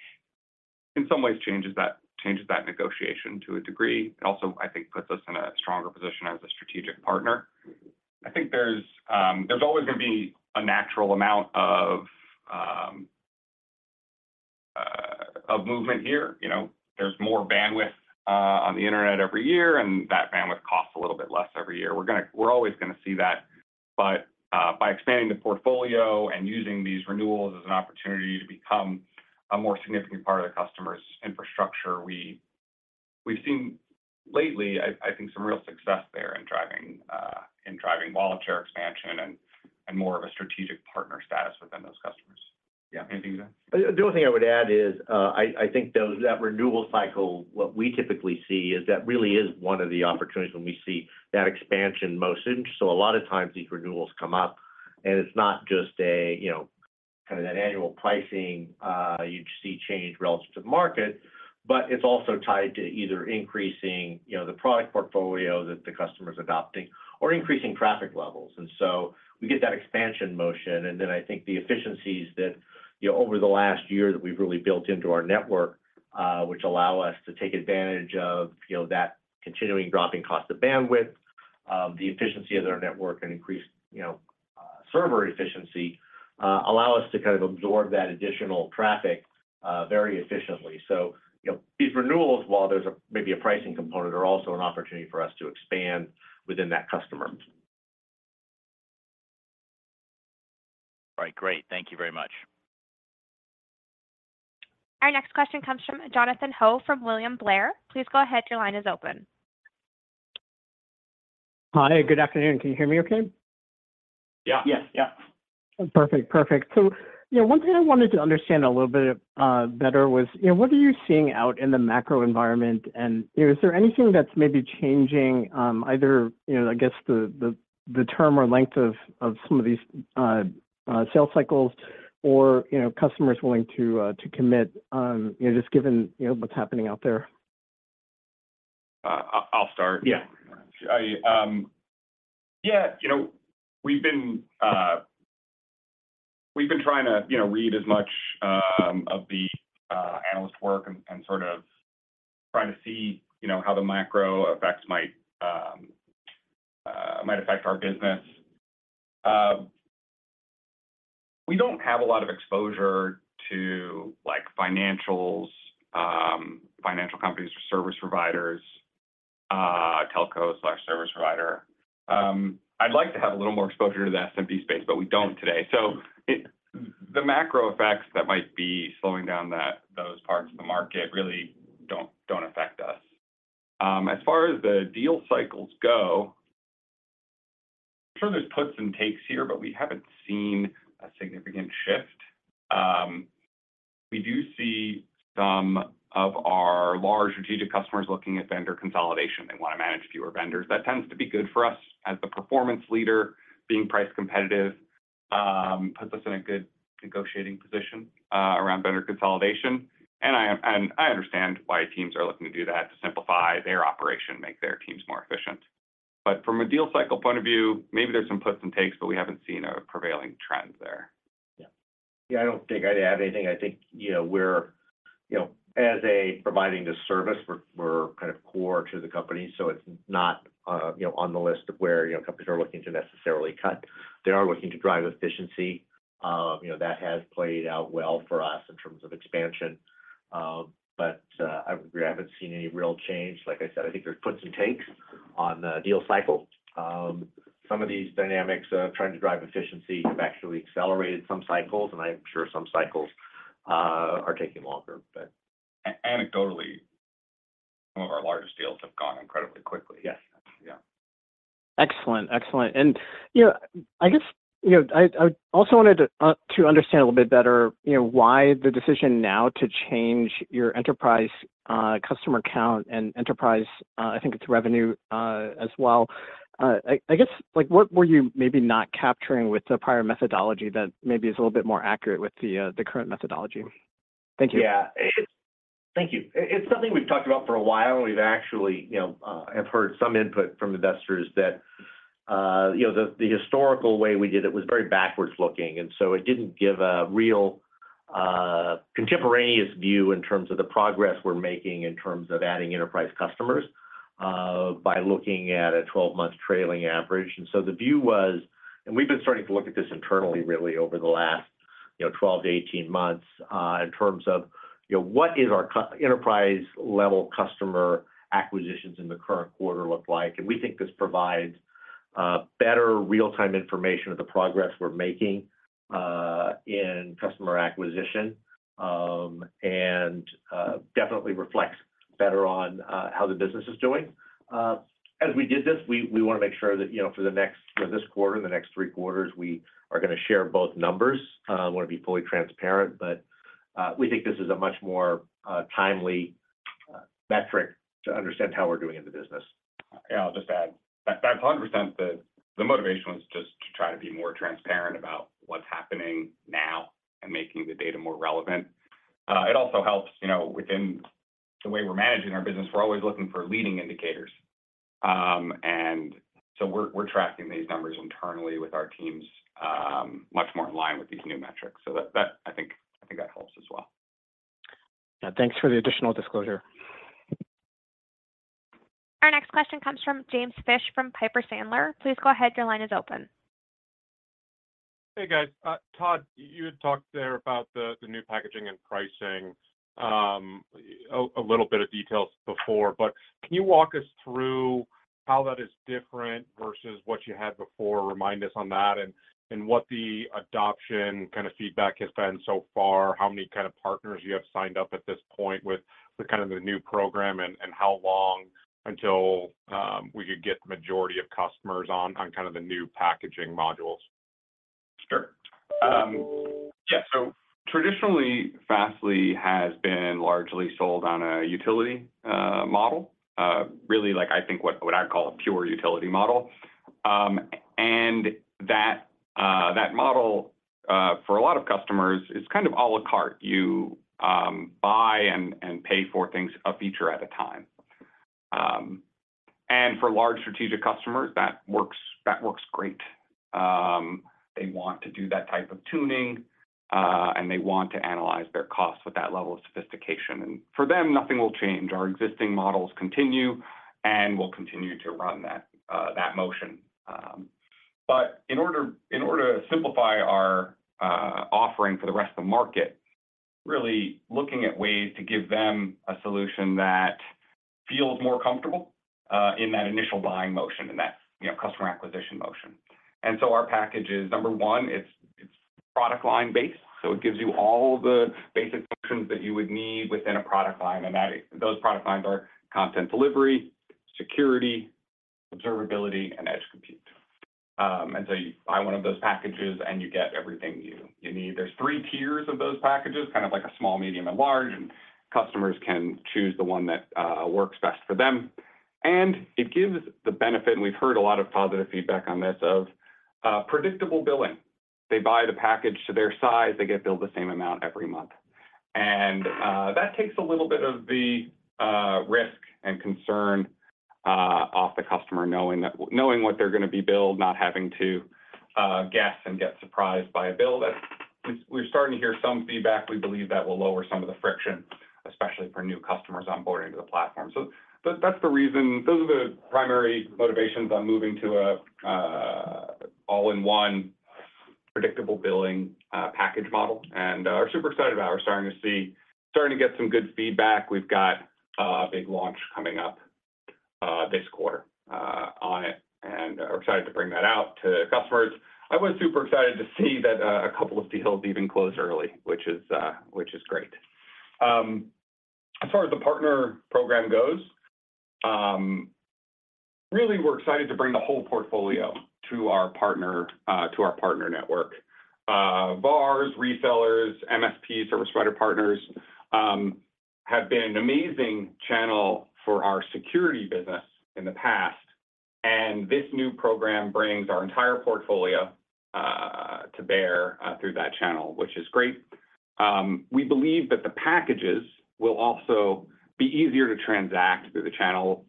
in some ways changes that negotiation to a degree. It also, I think, puts us in a stronger position as a strategic partner. I think there's always gonna be a natural amount of movement here. You know, there's more bandwidth on the internet every year, and that bandwidth costs a little bit less every year. We're always gonna see that. By expanding the portfolio and using these renewals as an opportunity to become a more significant part of the customer's infrastructure, we've seen lately, I think, some real success there in driving volunteer expansion and more of a strategic partner status within those customers. Yeah. Anything to add? The only thing I would add is, I think that renewal cycle, what we typically see is that really is one of the opportunities when we see that expansion motion. A lot of times these renewals come up, and it's not just a, you know, kind of that annual pricing, you'd see change relative to the market, but it's also tied to either increasing, you know, the product portfolio that the customer's adopting or increasing traffic levels. We get that expansion motion, and then I think the efficiencies that, you know, over the last year that we've really built into our network, which allow us to take advantage of, you know, that continuing dropping cost of bandwidth, the efficiency of their network and increased, you know, server efficiency, allow us to kind of absorb that additional traffic, very efficiently. You know, these renewals, while there's a maybe a pricing component, are also an opportunity for us to expand within that customer. All right. Great. Thank you very much. Our next question comes from Jonathan Ho from William Blair. Please go ahead. Your line is open. Hi, good afternoon. Can you hear me okay? Yeah. Yes. Yeah. Perfect. Perfect. You know, one thing I wanted to understand a little bit, better was, you know, what are you seeing out in the macro environment? You know, is there anything that's maybe changing, either, you know, I guess the term or length of some of these sales cycles or, you know, customers willing to commit, you know, just given, you know, what's happening out there? I'll start. Yeah. Yeah. You know, we've been trying to, you know, read as much of the analyst work and sort of trying to see, you know, how the macro effects might affect our business. We don't have a lot of exposure to, like, financials, financial companies or service providers, telcos/service provider. I'd like to have a little more exposure to the SMB space, but we don't today. The macro effects that might be slowing down that, those parts of the market really don't affect us. As far as the deal cycles go, I'm sure there's puts and takes here, but we haven't seen a significant shift. We do see some of our large strategic customers looking at vendor consolidation. They want to manage fewer vendors. That tends to be good for us as the performance leader. Being price competitive, puts us in a good negotiating position, around vendor consolidation. I understand why teams are looking to do that, to simplify their operation, make their teams more efficient. From a deal cycle point of view, maybe there's some puts and takes, but we haven't seen a prevailing trend there. Yeah. Yeah, I don't think I'd add anything. I think, you know, we're, you know, as a providing this service, we're kind of core to the company, so it's not, you know, on the list of where, you know, companies are looking to necessarily cut. They are looking to drive efficiency. You know, that has played out well for us in terms of expansion. I agree. I haven't seen any real change. Like I said, I think there's puts and takes on the deal cycle. Some of these dynamics of trying to drive efficiency have actually accelerated some cycles, and I'm sure some cycles are taking longer, but... Anecdotally, some of our largest deals have gone incredibly quickly. Yes. Yeah. Excellent. Excellent. You know, I guess, you know, I also wanted to understand a little bit better, you know, why the decision now to change your enterprise, customer count and enterprise, I think it's revenue, as well. I guess, like, what were you maybe not capturing with the prior methodology that maybe is a little bit more accurate with the current methodology? Thank you. Yeah. Thank you. It's something we've talked about for a while, and we've actually, you know, have heard some input from investors that, you know, the historical way we did it was very backwards looking, so it didn't give a real contemporaneous view in terms of the progress we're making in terms of adding enterprise customers, by looking at a 12-month trailing average. The view was, and we've been starting to look at this internally really over the last, you know, 12 to 18 months, in terms of, you know, what is our enterprise level customer acquisitions in the current quarter look like. We think this provides better real-time information of the progress we're making in customer acquisition, and definitely reflects better on how the business is doing. As we did this, we wanna make sure that, you know, for this quarter and the next 3 quarters, we are gonna share both numbers, wanna be fully transparent. We think this is a much more timely metric to understand how we're doing in the business. Yeah, I'll just add. That's 100% the motivation was just to try to be more transparent about what's happening now and making the data more relevant. It also helps, you know, within the way we're managing our business, we're always looking for leading indicators. We're tracking these numbers internally with our teams, much more in line with these new metrics. That I think that helps as well. Yeah. Thanks for the additional disclosure. Our next question comes from James Fish from Piper Sandler. Please go ahead. Your line is open. Hey, guys. Todd, you had talked there about the new packaging and pricing, a little bit of details before. Can you walk us through how that is different versus what you had before? Remind us on that and what the adoption kind of feedback has been so far, how many kind of partners you have signed up at this point with the kind of the new program and how long until we could get majority of customers on kind of the new packaging modules? Sure. Yeah. Traditionally, Fastly has been largely sold on a utility model. Really like I think what I'd call a pure utility model. That model for a lot of customers is kind of a la carte. You buy and pay for things a feature at a time. For large strategic customers, that works great. They want to do that type of tuning, and they want to analyze their costs with that level of sophistication. For them, nothing will change. Our existing models continue, and we'll continue to run that motion. In order to simplify our offering for the rest of the market, really looking at ways to give them a solution that feels more comfortable in that initial buying motion, in that, you know, customer acquisition motion. Our package is, number 1, it's product line based, so it gives you all the basic functions that you would need within a product line. Those product lines are content delivery, security, observability, and edge compute. You buy one of those packages, and you get everything you need. There's 3 tiers of those packages, kind of like a small, medium, and large, and customers can choose the one that works best for them. It gives the benefit, and we've heard a lot of positive feedback on this, of predictable billing. They buy the package to their size. They get billed the same amount every month. That takes a little bit of the risk and concern off the customer knowing what they're gonna be billed, not having to guess and get surprised by a bill. We're starting to hear some feedback. We believe that will lower some of the friction, especially for new customers onboarding to the platform. That, that's the reason. Those are the primary motivations on moving to a all-in-one predictable billing package model, and super excited about. We're starting to get some good feedback. We've got a big launch coming up this quarter on it, and are excited to bring that out to customers. I was super excited to see that, a couple of deals even closed early, which is, which is great. As far as the partner program goes, really, we're excited to bring the whole portfolio to our partner, to our partner network. VARs, resellers, MSP, service provider partners, have been an amazing channel for our security business in the past, and this new program brings our entire portfolio to bear through that channel, which is great. We believe that the packages will also be easier to transact through the channel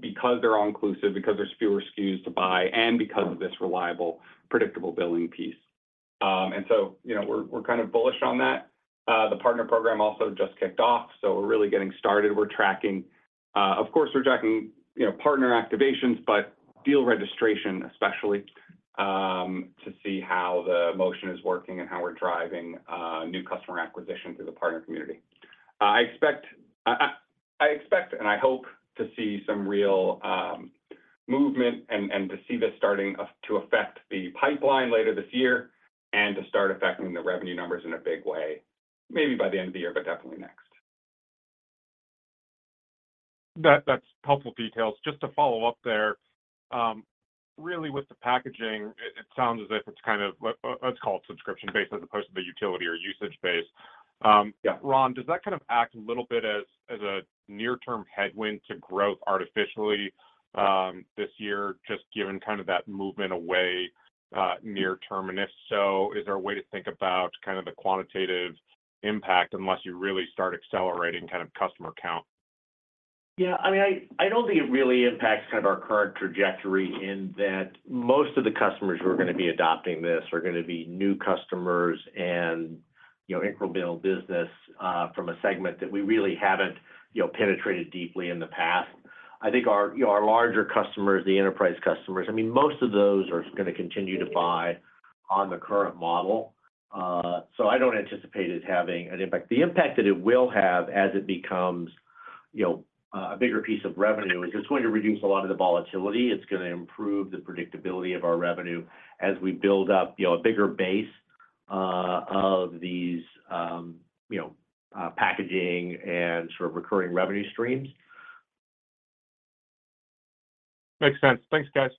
because they're all-inclusive, because there's fewer SKUs to buy, and because of this reliable, predictable billing piece. So, you know, we're kind of bullish on that. The partner program also just kicked off, so we're really getting started. We're tracking, of course, we're tracking, you know, partner activations, but deal registration especially, to see how the motion is working and how we're driving new customer acquisition through the partner community. I expect and I hope to see some real movement and to see this starting to affect the pipeline later this year and to start affecting the revenue numbers in a big way maybe by the end of the year, but definitely next. That's helpful details. Just to follow up there, really with the packaging, it sounds as if it's kind of let's call it subscription-based as opposed to the utility or usage-based. Ron, does that kind of act a little bit as a near-term headwind to growth artificially, this year, just given kind of that movement away, near term? If so, is there a way to think about kind of the quantitative impact unless you really start accelerating kind of customer count? Yeah. I mean, I don't think it really impacts kind of our current trajectory in that most of the customers who are gonna be adopting this are gonna be new customers and, you know, incremental business from a segment that we really haven't, you know, penetrated deeply in the past. I think our, you know, our larger customers, the enterprise customers, I mean, most of those are gonna continue to buy on the current model. I don't anticipate it having an impact. The impact that it will have as it becomes, you know, a bigger piece of revenue is it's going to reduce a lot of the volatility. It's gonna improve the predictability of our revenue as we build up, you know, a bigger base of these, you know, packaging and sort of recurring revenue streams. Makes sense. Thanks, guys.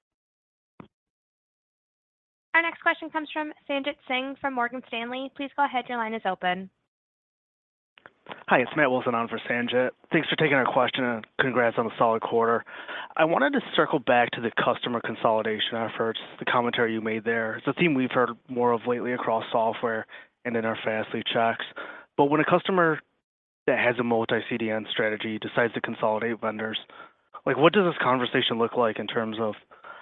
Our next question comes from Sanjit Singh from Morgan Stanley. Please go ahead. Your line is open. Hi, it's Matt Wilson on for Sanjit. Thanks for taking our question, and congrats on a solid quarter. I wanted to circle back to the customer consolidation efforts, the commentary you made there. It's a theme we've heard more of lately across software and in our Fastly checks. When a customer that has a multi-CDN strategy decides to consolidate vendors, like, what does this conversation look like in terms of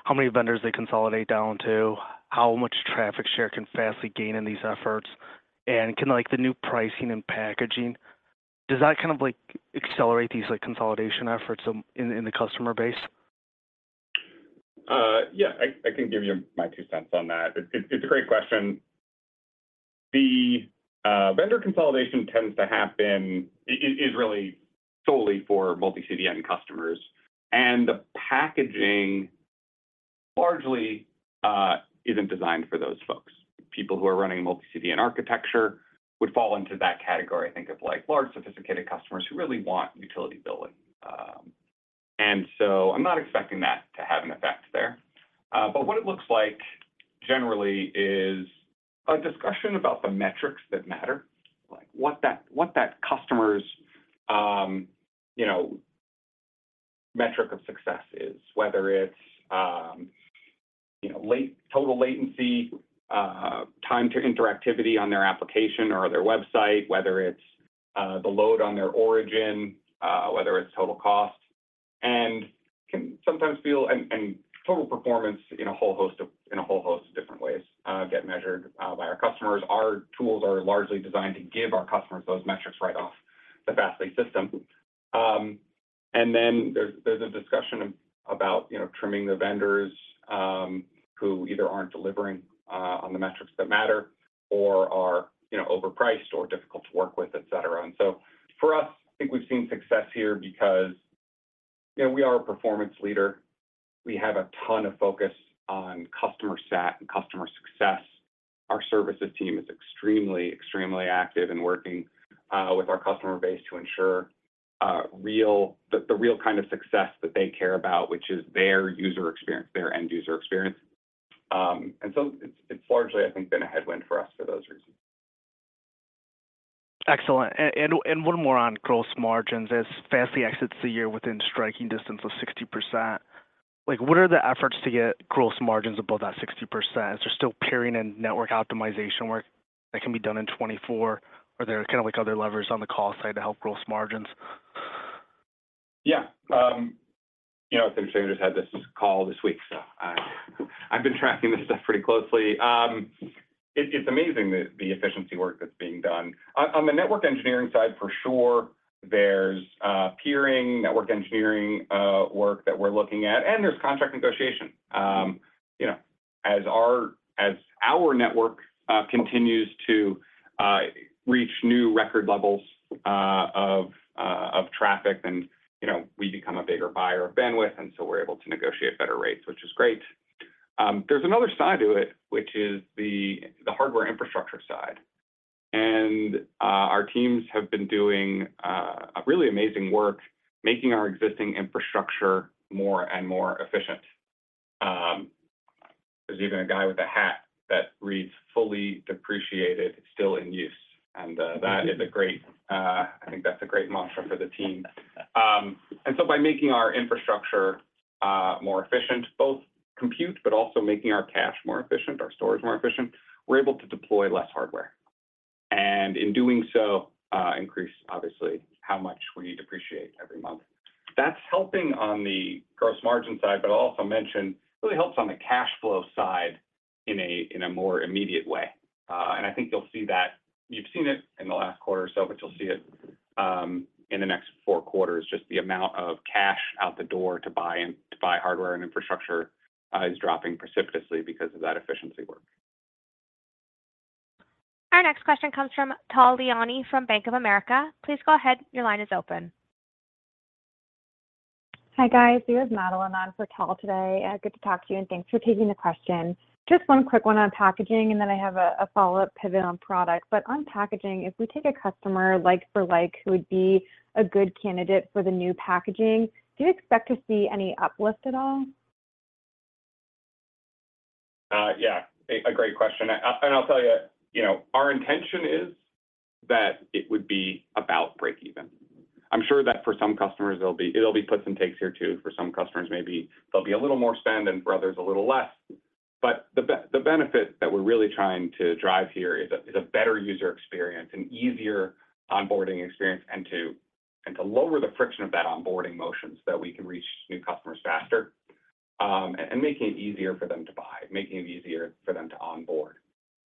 how many vendors they consolidate down to? How much traffic share can Fastly gain in these efforts? Can, like, the new pricing and packaging, does that kind of like accelerate these, like, consolidation efforts in the customer base? Yeah. I can give you my two cents on that. It's a great question. The vendor consolidation tends to happen is really solely for multi-CDN customers. The packaging largely isn't designed for those folks. People who are running a multi-CDN architecture would fall into that category, I think, of like large, sophisticated customers who really want utility billing. I'm not expecting that to have an effect there. What it looks like generally is a discussion about the metrics that matter, like what that, what that customer's metric of success is, whether it's total latency, time to interactivity on their application or their website, whether it's the load on their origin, whether it's total cost, and total performance in a whole host of different ways get measured by our customers. Our tools are largely designed to give our customers those metrics right off the Fastly system. Then there's a discussion about trimming the vendors who either aren't delivering on the metrics that matter or are overpriced or difficult to work with, et cetera. For us, I think we've seen success here because, you know, we are a performance leader. We have a ton of focus on customer sat and customer success. Our services team is extremely active in working with our customer base to ensure the real kind of success that they care about, which is their user experience, their end user experience. It's largely, I think, been a headwind for us for those reasons. Excellent. One more on gross margins. As Fastly exits the year within striking distance of 60%, like, what are the efforts to get gross margins above that 60%? Is there still peering and network optimization work that can be done in 2024, or are there kind of like other levers on the cost side to help gross margins? Yeah. you know, I think Sanjit just had this call this week, so I've been tracking this stuff pretty closely. It's amazing the efficiency work that's being done. On the network engineering side, for sure, there's peering, network engineering, work that we're looking at, and there's contract negotiation. you know, as our network continues to reach new record levels of traffic then, you know, we become a bigger buyer of bandwidth, and so we're able to negotiate better rates, which is great. there's another side to it, which is the hardware infrastructure side. Our teams have been doing really amazing work making our existing infrastructure more and more efficient. There's even a guy with a hat that reads, "Fully depreciated, still in use." That is a great, I think that's a great mantra for the team. By making our infrastructure more efficient, both compute, but also making our cache more efficient, our storage more efficient, we're able to deploy less hardware, and in doing so, increase obviously how much we depreciate every month. That's helping on the gross margin side, but I'll also mention really helps on the cash flow side in a, in a more immediate way. I think you'll see that. You've seen it in the last quarter or so, but you'll see it in the next 4 quarters, just the amount of cash out the door to buy hardware and infrastructure is dropping precipitously because of that efficiency work. Our next question comes from Tal Liani from Bank of America. Please go ahead. Your line is open. Hi, guys. This is Madeline on for Tal today. good to talk to you, and thanks for taking the question. Just one quick one on packaging, and then I have a follow-up pivot on product. On packaging, if we take a customer like for like who would be a good candidate for the new packaging, do you expect to see any uplift at all? Yeah. A great question. I'll tell you know, our intention is that it would be about break even. I'm sure that for some customers it'll be puts and takes here too. For some customers, maybe there'll be a little more spend, and for others a little less. The benefit that we're really trying to drive here is a better user experience, an easier onboarding experience, and to lower the friction of that onboarding motion so that we can reach new customers faster, and making it easier for them to buy, making it easier for them to onboard.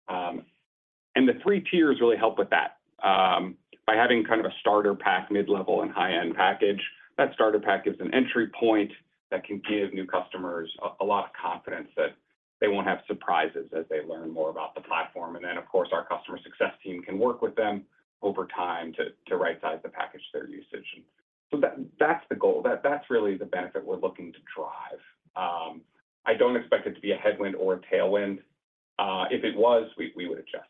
The three tiers really help with that. By having kind of a starter pack, mid-level, and high-end package, that starter pack gives an entry point that can give new customers a lot of confidence that they won't have surprises as they learn more about the platform. Of course, our customer success team can work with them over time to right size the package to their usage. That's the goal. That's really the benefit we're looking to drive. I don't expect it to be a headwind or a tailwind. If it was, we would adjust.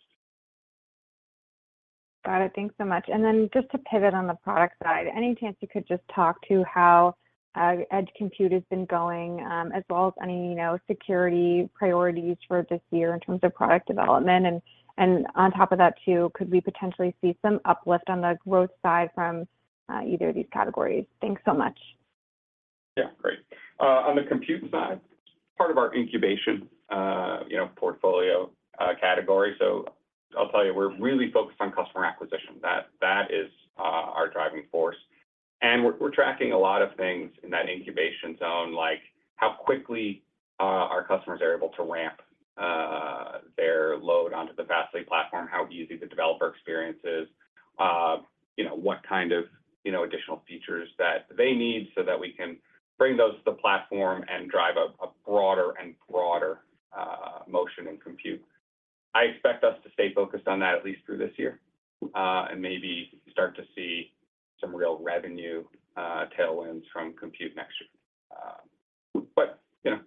Got it. Thanks so much. Just to pivot on the product side, any chance you could just talk to how edge compute has been going, as well as any, you know, security priorities for this year in terms of product development? On top of that too, could we potentially see some uplift on the growth side from either of these categories? Thanks so much. Yeah. Great. On the compute side, part of our incubation, you know, portfolio, category, I'll tell you, we're really focused on customer acquisition. That is, our driving force. We're tracking a lot of things in that incubation zone, like how quickly, our customers are able to ramp, their load onto the Fastly platform, how easy the developer experience is, you know, what kind of, you know, additional features that they need so that we can bring those to the platform and drive a broader and broader motion in compute. I expect us to stay focused on that at least through this year, and maybe start to see some real revenue, tailwinds from compute next year. You know,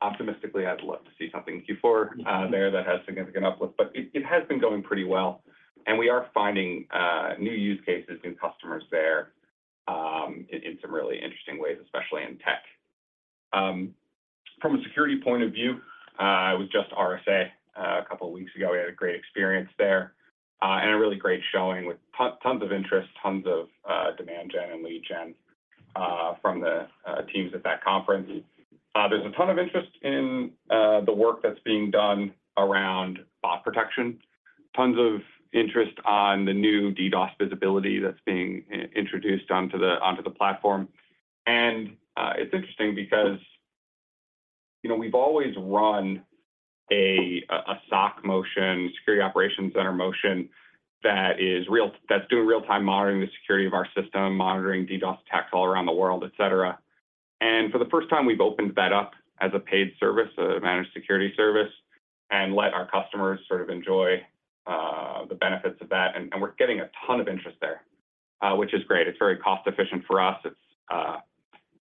optimistically, I'd love to see something in Q4 there that has significant uplift. It has been going pretty well. We are finding new use cases, new customers there, in some really interesting ways, especially in tech. From a security point of view, it was just RSA 2 weeks ago. We had a great experience there, and a really great showing with tons of interest, tons of demand gen and lead gen from the teams at that conference. There's a ton of interest in the work that's being done around bot protection, tons of interest on the new DDoS visibility that's being introduced onto the platform. It's interesting because, you know, we've always run a SOC motion, security operations center motion that is doing real-time monitoring the security of our system, monitoring DDoS attacks all around the world, et cetera. For the first time, we've opened that up as a paid service, a Managed Security Service, and let our customers sort of enjoy the benefits of that. We're getting a ton of interest there, which is great. It's very cost efficient for us. It's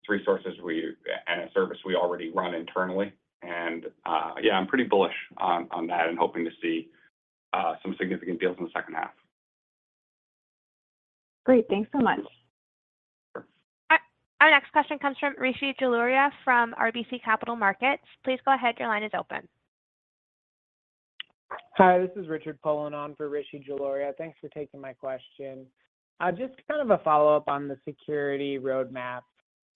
resources we and a service we already run internally. Yeah, I'm pretty bullish on that and hoping to see some significant deals in the second half. Great. Thanks so much. Sure. Our next question comes from Rishi Jaluria from RBC Capital Markets. Please go ahead. Your line is open. Hi, this is Richard Poland on for Rishi Jaluria. Thanks for taking my question. Just kind of a follow-up on the security roadmap.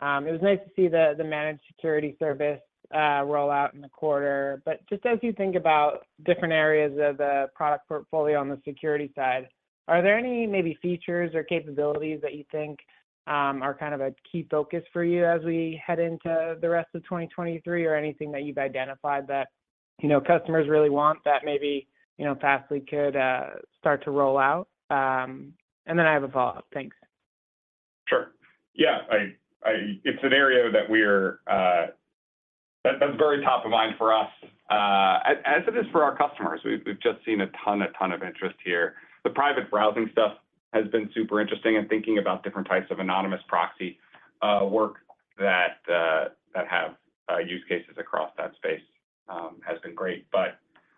It was nice to see the Managed Security Service roll out in the quarter. Just as you think about different areas of the product portfolio on the security side, are there any maybe features or capabilities that you think are kind of a key focus for you as we head into the rest of 2023 or anything that you've identified that, you know, customers really want that maybe, you know, Fastly could start to roll out? I have a follow-up. Thanks. Sure. Yeah. It's an area that's very top of mind for us as it is for our customers. We've just seen a ton of interest here. The private browsing stuff has been super interesting, and thinking about different types of anonymous proxy work that have use cases across that space has been great.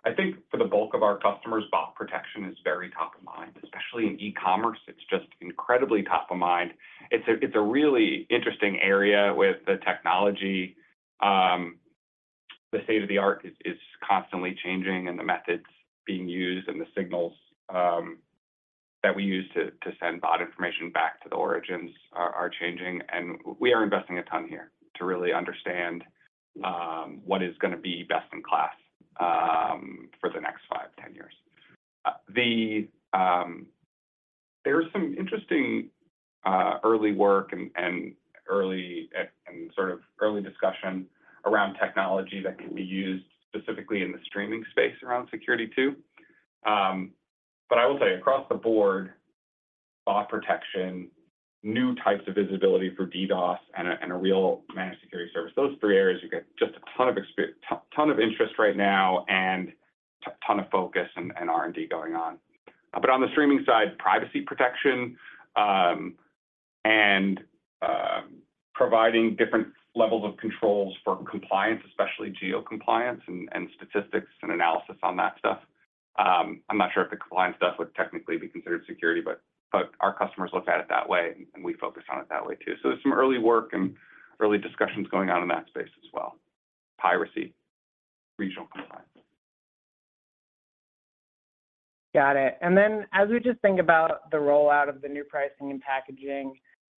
I think for the bulk of our customers, bot protection is very top of mind. Especially in e-commerce, it's just incredibly top of mind. It's a really interesting area with the technology. The state-of-the-art is constantly changing, and the methods being used and the signals that we use to send bot information back to the origins are changing. We are investing a ton here to really understand what is gonna be best in class for the next 5 to 10 years. There's some interesting early work and early and sort of early discussion around technology that can be used specifically in the streaming space around security too. I will say across the board, bot protection, new types of visibility for DDoS and a, and a real Managed Security Service, those three areas you get just a ton of interest right now and a ton of focus and R&D going on. On the streaming side, privacy protection, and providing different levels of controls for compliance, especially geo-compliance and statistics and analysis on that stuff. I'm not sure if the compliance stuff would technically be considered security, but our customers look at it that way, and we focus on it that way too. There's some early work and early discussions going on in that space as well. Piracy, regional compliance. Got it. Then as we just think about the rollout of the new pricing and packaging,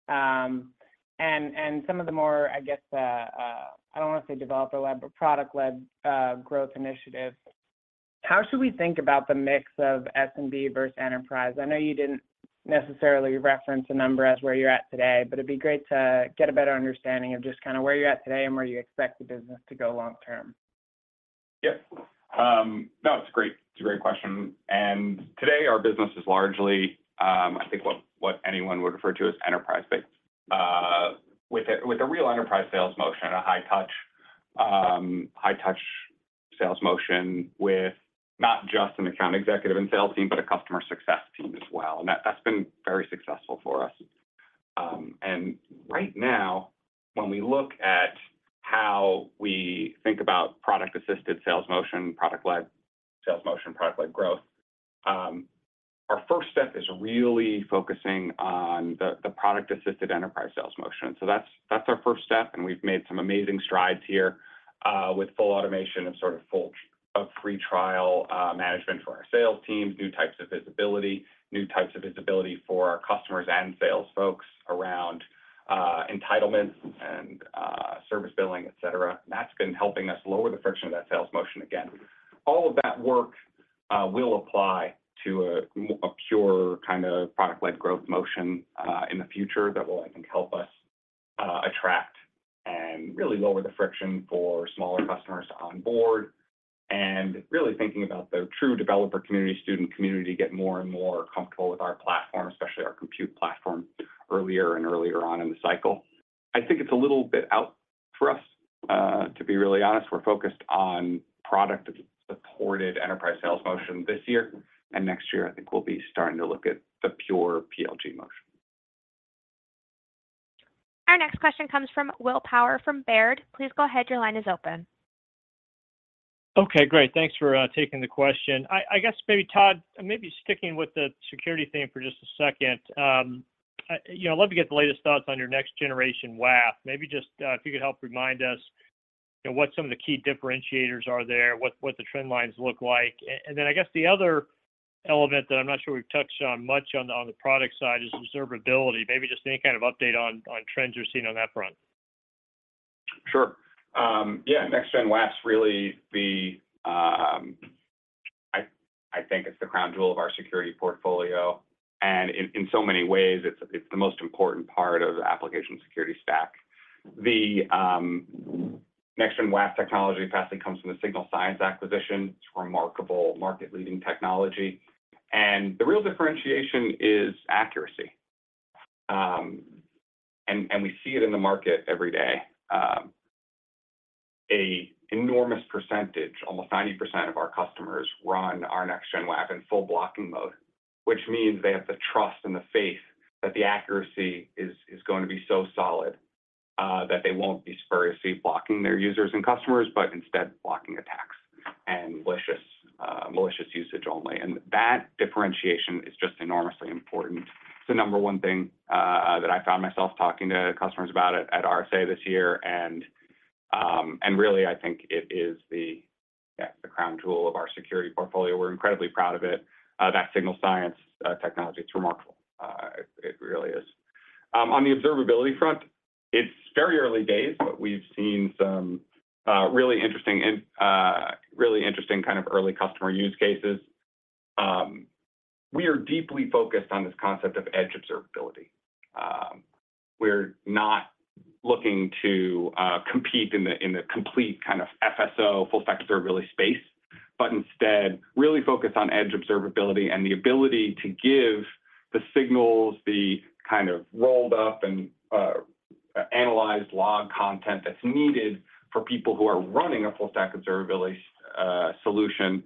and some of the more, I guess, I don't want to say developer-led, but product-led growth initiatives, how should we think about the mix of SMB versus enterprise? I know you didn't necessarily reference a number as where you're at today, but it'd be great to get a better understanding of just kind of where you're at today and where you expect the business to go long term. Yeah. No, it's a great, it's a great question. Today our business is largely, I think what anyone would refer to as enterprise-based, with a, with a real enterprise sales motion, a high touch, high touch sales motion with not just an account executive and sales team, but a customer success team as well, and that's been very successful for us. Right now, when we look at how we think about product-assisted sales motion, product-led sales motion, product-led growth, our first step is really focusing on the product-assisted enterprise sales motion. That's our first step, and we've made some amazing strides here, with full automation of free trial management for our sales teams, new types of visibility for our customers and sales folks around entitlements and service billing, et cetera. That's been helping us lower the friction of that sales motion again. All of that work will apply to a pure kind of product-led growth motion in the future that will, I think, help us attract and really lower the friction for smaller customers to onboard and really thinking about the true developer community, student community get more and more comfortable with our platform, especially our Compute platform earlier and earlier on in the cycle. I think it's a little bit out for us to be really honest. We're focused on product-supported enterprise sales motion this year. Next year I think we'll be starting to look at the pure PLG motion. Our next question comes from Will Power from Baird. Please go ahead, your line is open. Okay, great. Thanks for taking the question. I guess maybe Todd, maybe sticking with the security theme for just a second. you know, love to get the latest thoughts on your Next-Gen WAF. Maybe just if you could help remind us, you know, what some of the key differentiators are there, what the trend lines look like. I guess the other element that I'm not sure we've touched on much on the product side is observability. Maybe just any kind of update on trends you're seeing on that front. Sure. yeah, I think it's the crown jewel of our security portfolio, and in so many ways it's the most important part of the application security stack. The Next-Gen WAF technology passing comes from the Signal Sciences acquisition. It's remarkable market-leading technology. The real differentiation is accuracy. We see it in the market every day. An enormous percentage, almost 90% of our customers run our Next-Gen WAF in full blocking mode, which means they have the trust and the faith that the accuracy is going to be so solid that they won't be spuriously blocking their users and customers, but instead blocking attacks and malicious usage only. That differentiation is just enormously important. It's the number one thing that I found myself talking to customers about it at RSA this year. Really, I think it is the, yeah, the crown jewel of our security portfolio. We're incredibly proud of it. That Signal Sciences technology. It's remarkable. It really is. On the observability front, it's very early days. We've seen some really interesting and really interesting kind of early customer use cases. We are deeply focused on this concept of edge observability. We're not looking to compete in the complete kind of FSO, full stack observability space. Instead really focus on edge observability and the ability to give the signals, the kind of rolled up and analyzed log content that's needed for people who are running a full stack observability solution,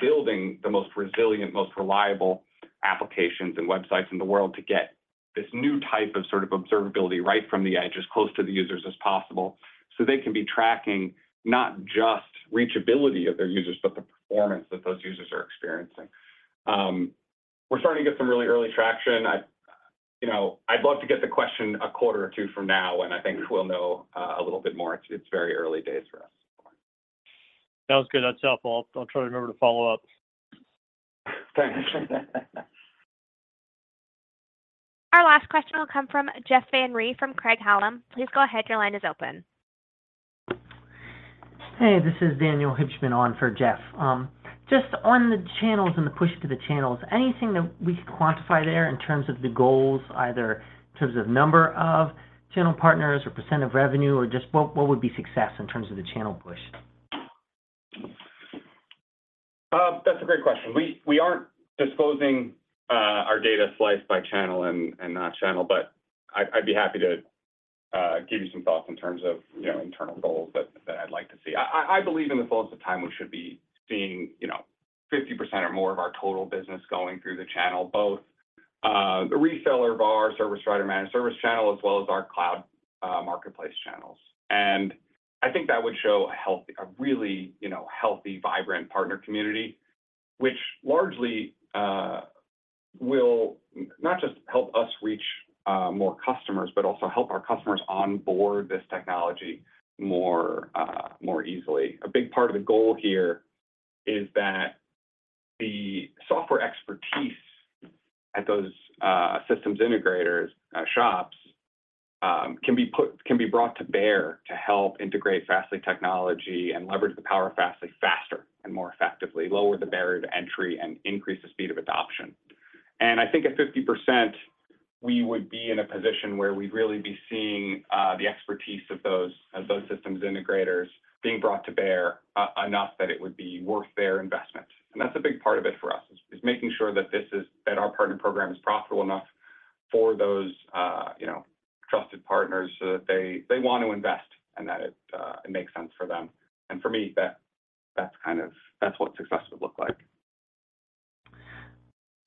building the most resilient, most reliable applications and websites in the world to get this new type of sort of observability right from the edge as close to the users as possible, so they can be tracking not just reachability of their users, but the performance that those users are experiencing. We're starting to get some really early traction. I, you know, I'd love to get the question a quarter or two from now. I think we'll know a little bit more. It's very early days for us. Sounds good. That's helpful. I'll try to remember to follow up. Thanks. Our last question will come from Jeff Van Rhee from Craig-Hallum. Please go ahead, your line is open. Hey, this is Daniel Hibshman on for Jeff. Just on the channels and the push to the channels, anything that we could quantify there in terms of the goals, either in terms of number of channel partners or percent of revenue, or just what would be success in terms of the channel push? That's a great question. We aren't disclosing our data sliced by channel and not channel, but I'd be happy to give you some thoughts in terms of, you know, internal goals that I'd like to see. I believe in the fullness of time we should be seeing, you know, 50% or more of our total business going through the channel, both the reseller of our service provider managed service channel, as well as our cloud marketplace channels. I think that would show a healthy, really, you know, healthy, vibrant partner community, which largely will not just help us reach more customers, but also help our customers onboard this technology more easily. A big part of the goal here is that the software expertise at those systems integrators shops can be brought to bear to help integrate Fastly technology and leverage the power of Fastly faster and more effectively, lower the barrier to entry and increase the speed of adoption. I think at 50% we would be in a position where we'd really be seeing the expertise of those systems integrators being brought to bear enough that it would be worth their investment. That's a big part of it for us is making sure that our partner program is profitable enough for those, you know, trusted partners so that they want to invest and that it makes sense for them. for me, that's kind of that's what success would look like.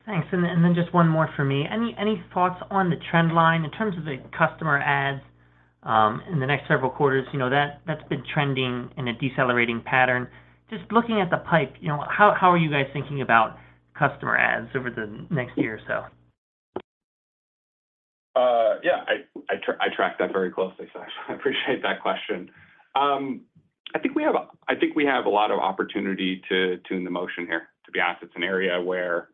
Thanks. Then just one more for me. Any thoughts on the trend line in terms of the customer adds in the next several quarters? You know, that's been trending in a decelerating pattern. Just looking at the pipe, you know, how are you guys thinking about customer adds over the next year or so? Yeah, I track that very closely, so I appreciate that question. I think we have a lot of opportunity to tune the motion here. To be honest, it's an area where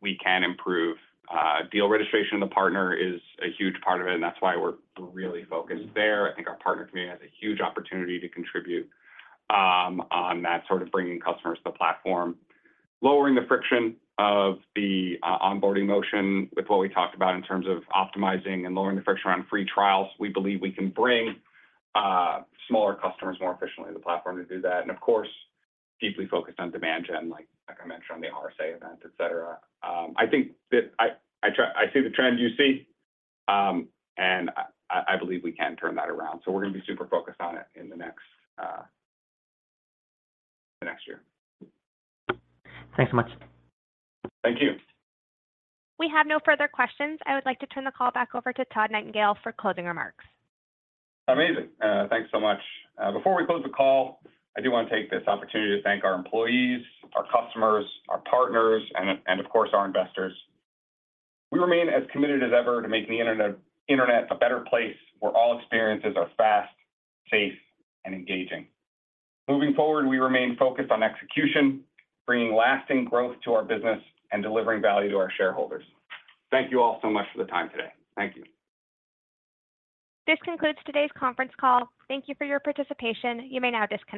we can improve. Deal registration of the partner is a huge part of it, and that's why we're really focused there. I think our partner community has a huge opportunity to contribute on that sort of bringing customers to the platform, lowering the friction of the onboarding motion with what we talked about in terms of optimizing and lowering the friction around free trials. We believe we can bring smaller customers more efficiently to the platform to do that. Of course, deeply focused on demand gen, like I mentioned on the RSA event, et cetera. I think that I see the trends you see, and I believe we can turn that around. We're gonna be super focused on it in the next, the next year. Thanks so much. Thank you. We have no further questions. I would like to turn the call back over to Todd Nightingale for closing remarks. Amazing. Thanks so much. Before we close the call, I do want to take this opportunity to thank our employees, our customers, our partners, and of course, our investors. We remain as committed as ever to making the internet a better place where all experiences are fast, safe, and engaging. Moving forward, we remain focused on execution, bringing lasting growth to our business, and delivering value to our shareholders. Thank you all so much for the time today. Thank you. This concludes today's conference call. Thank you for your participation. You may now disconnect.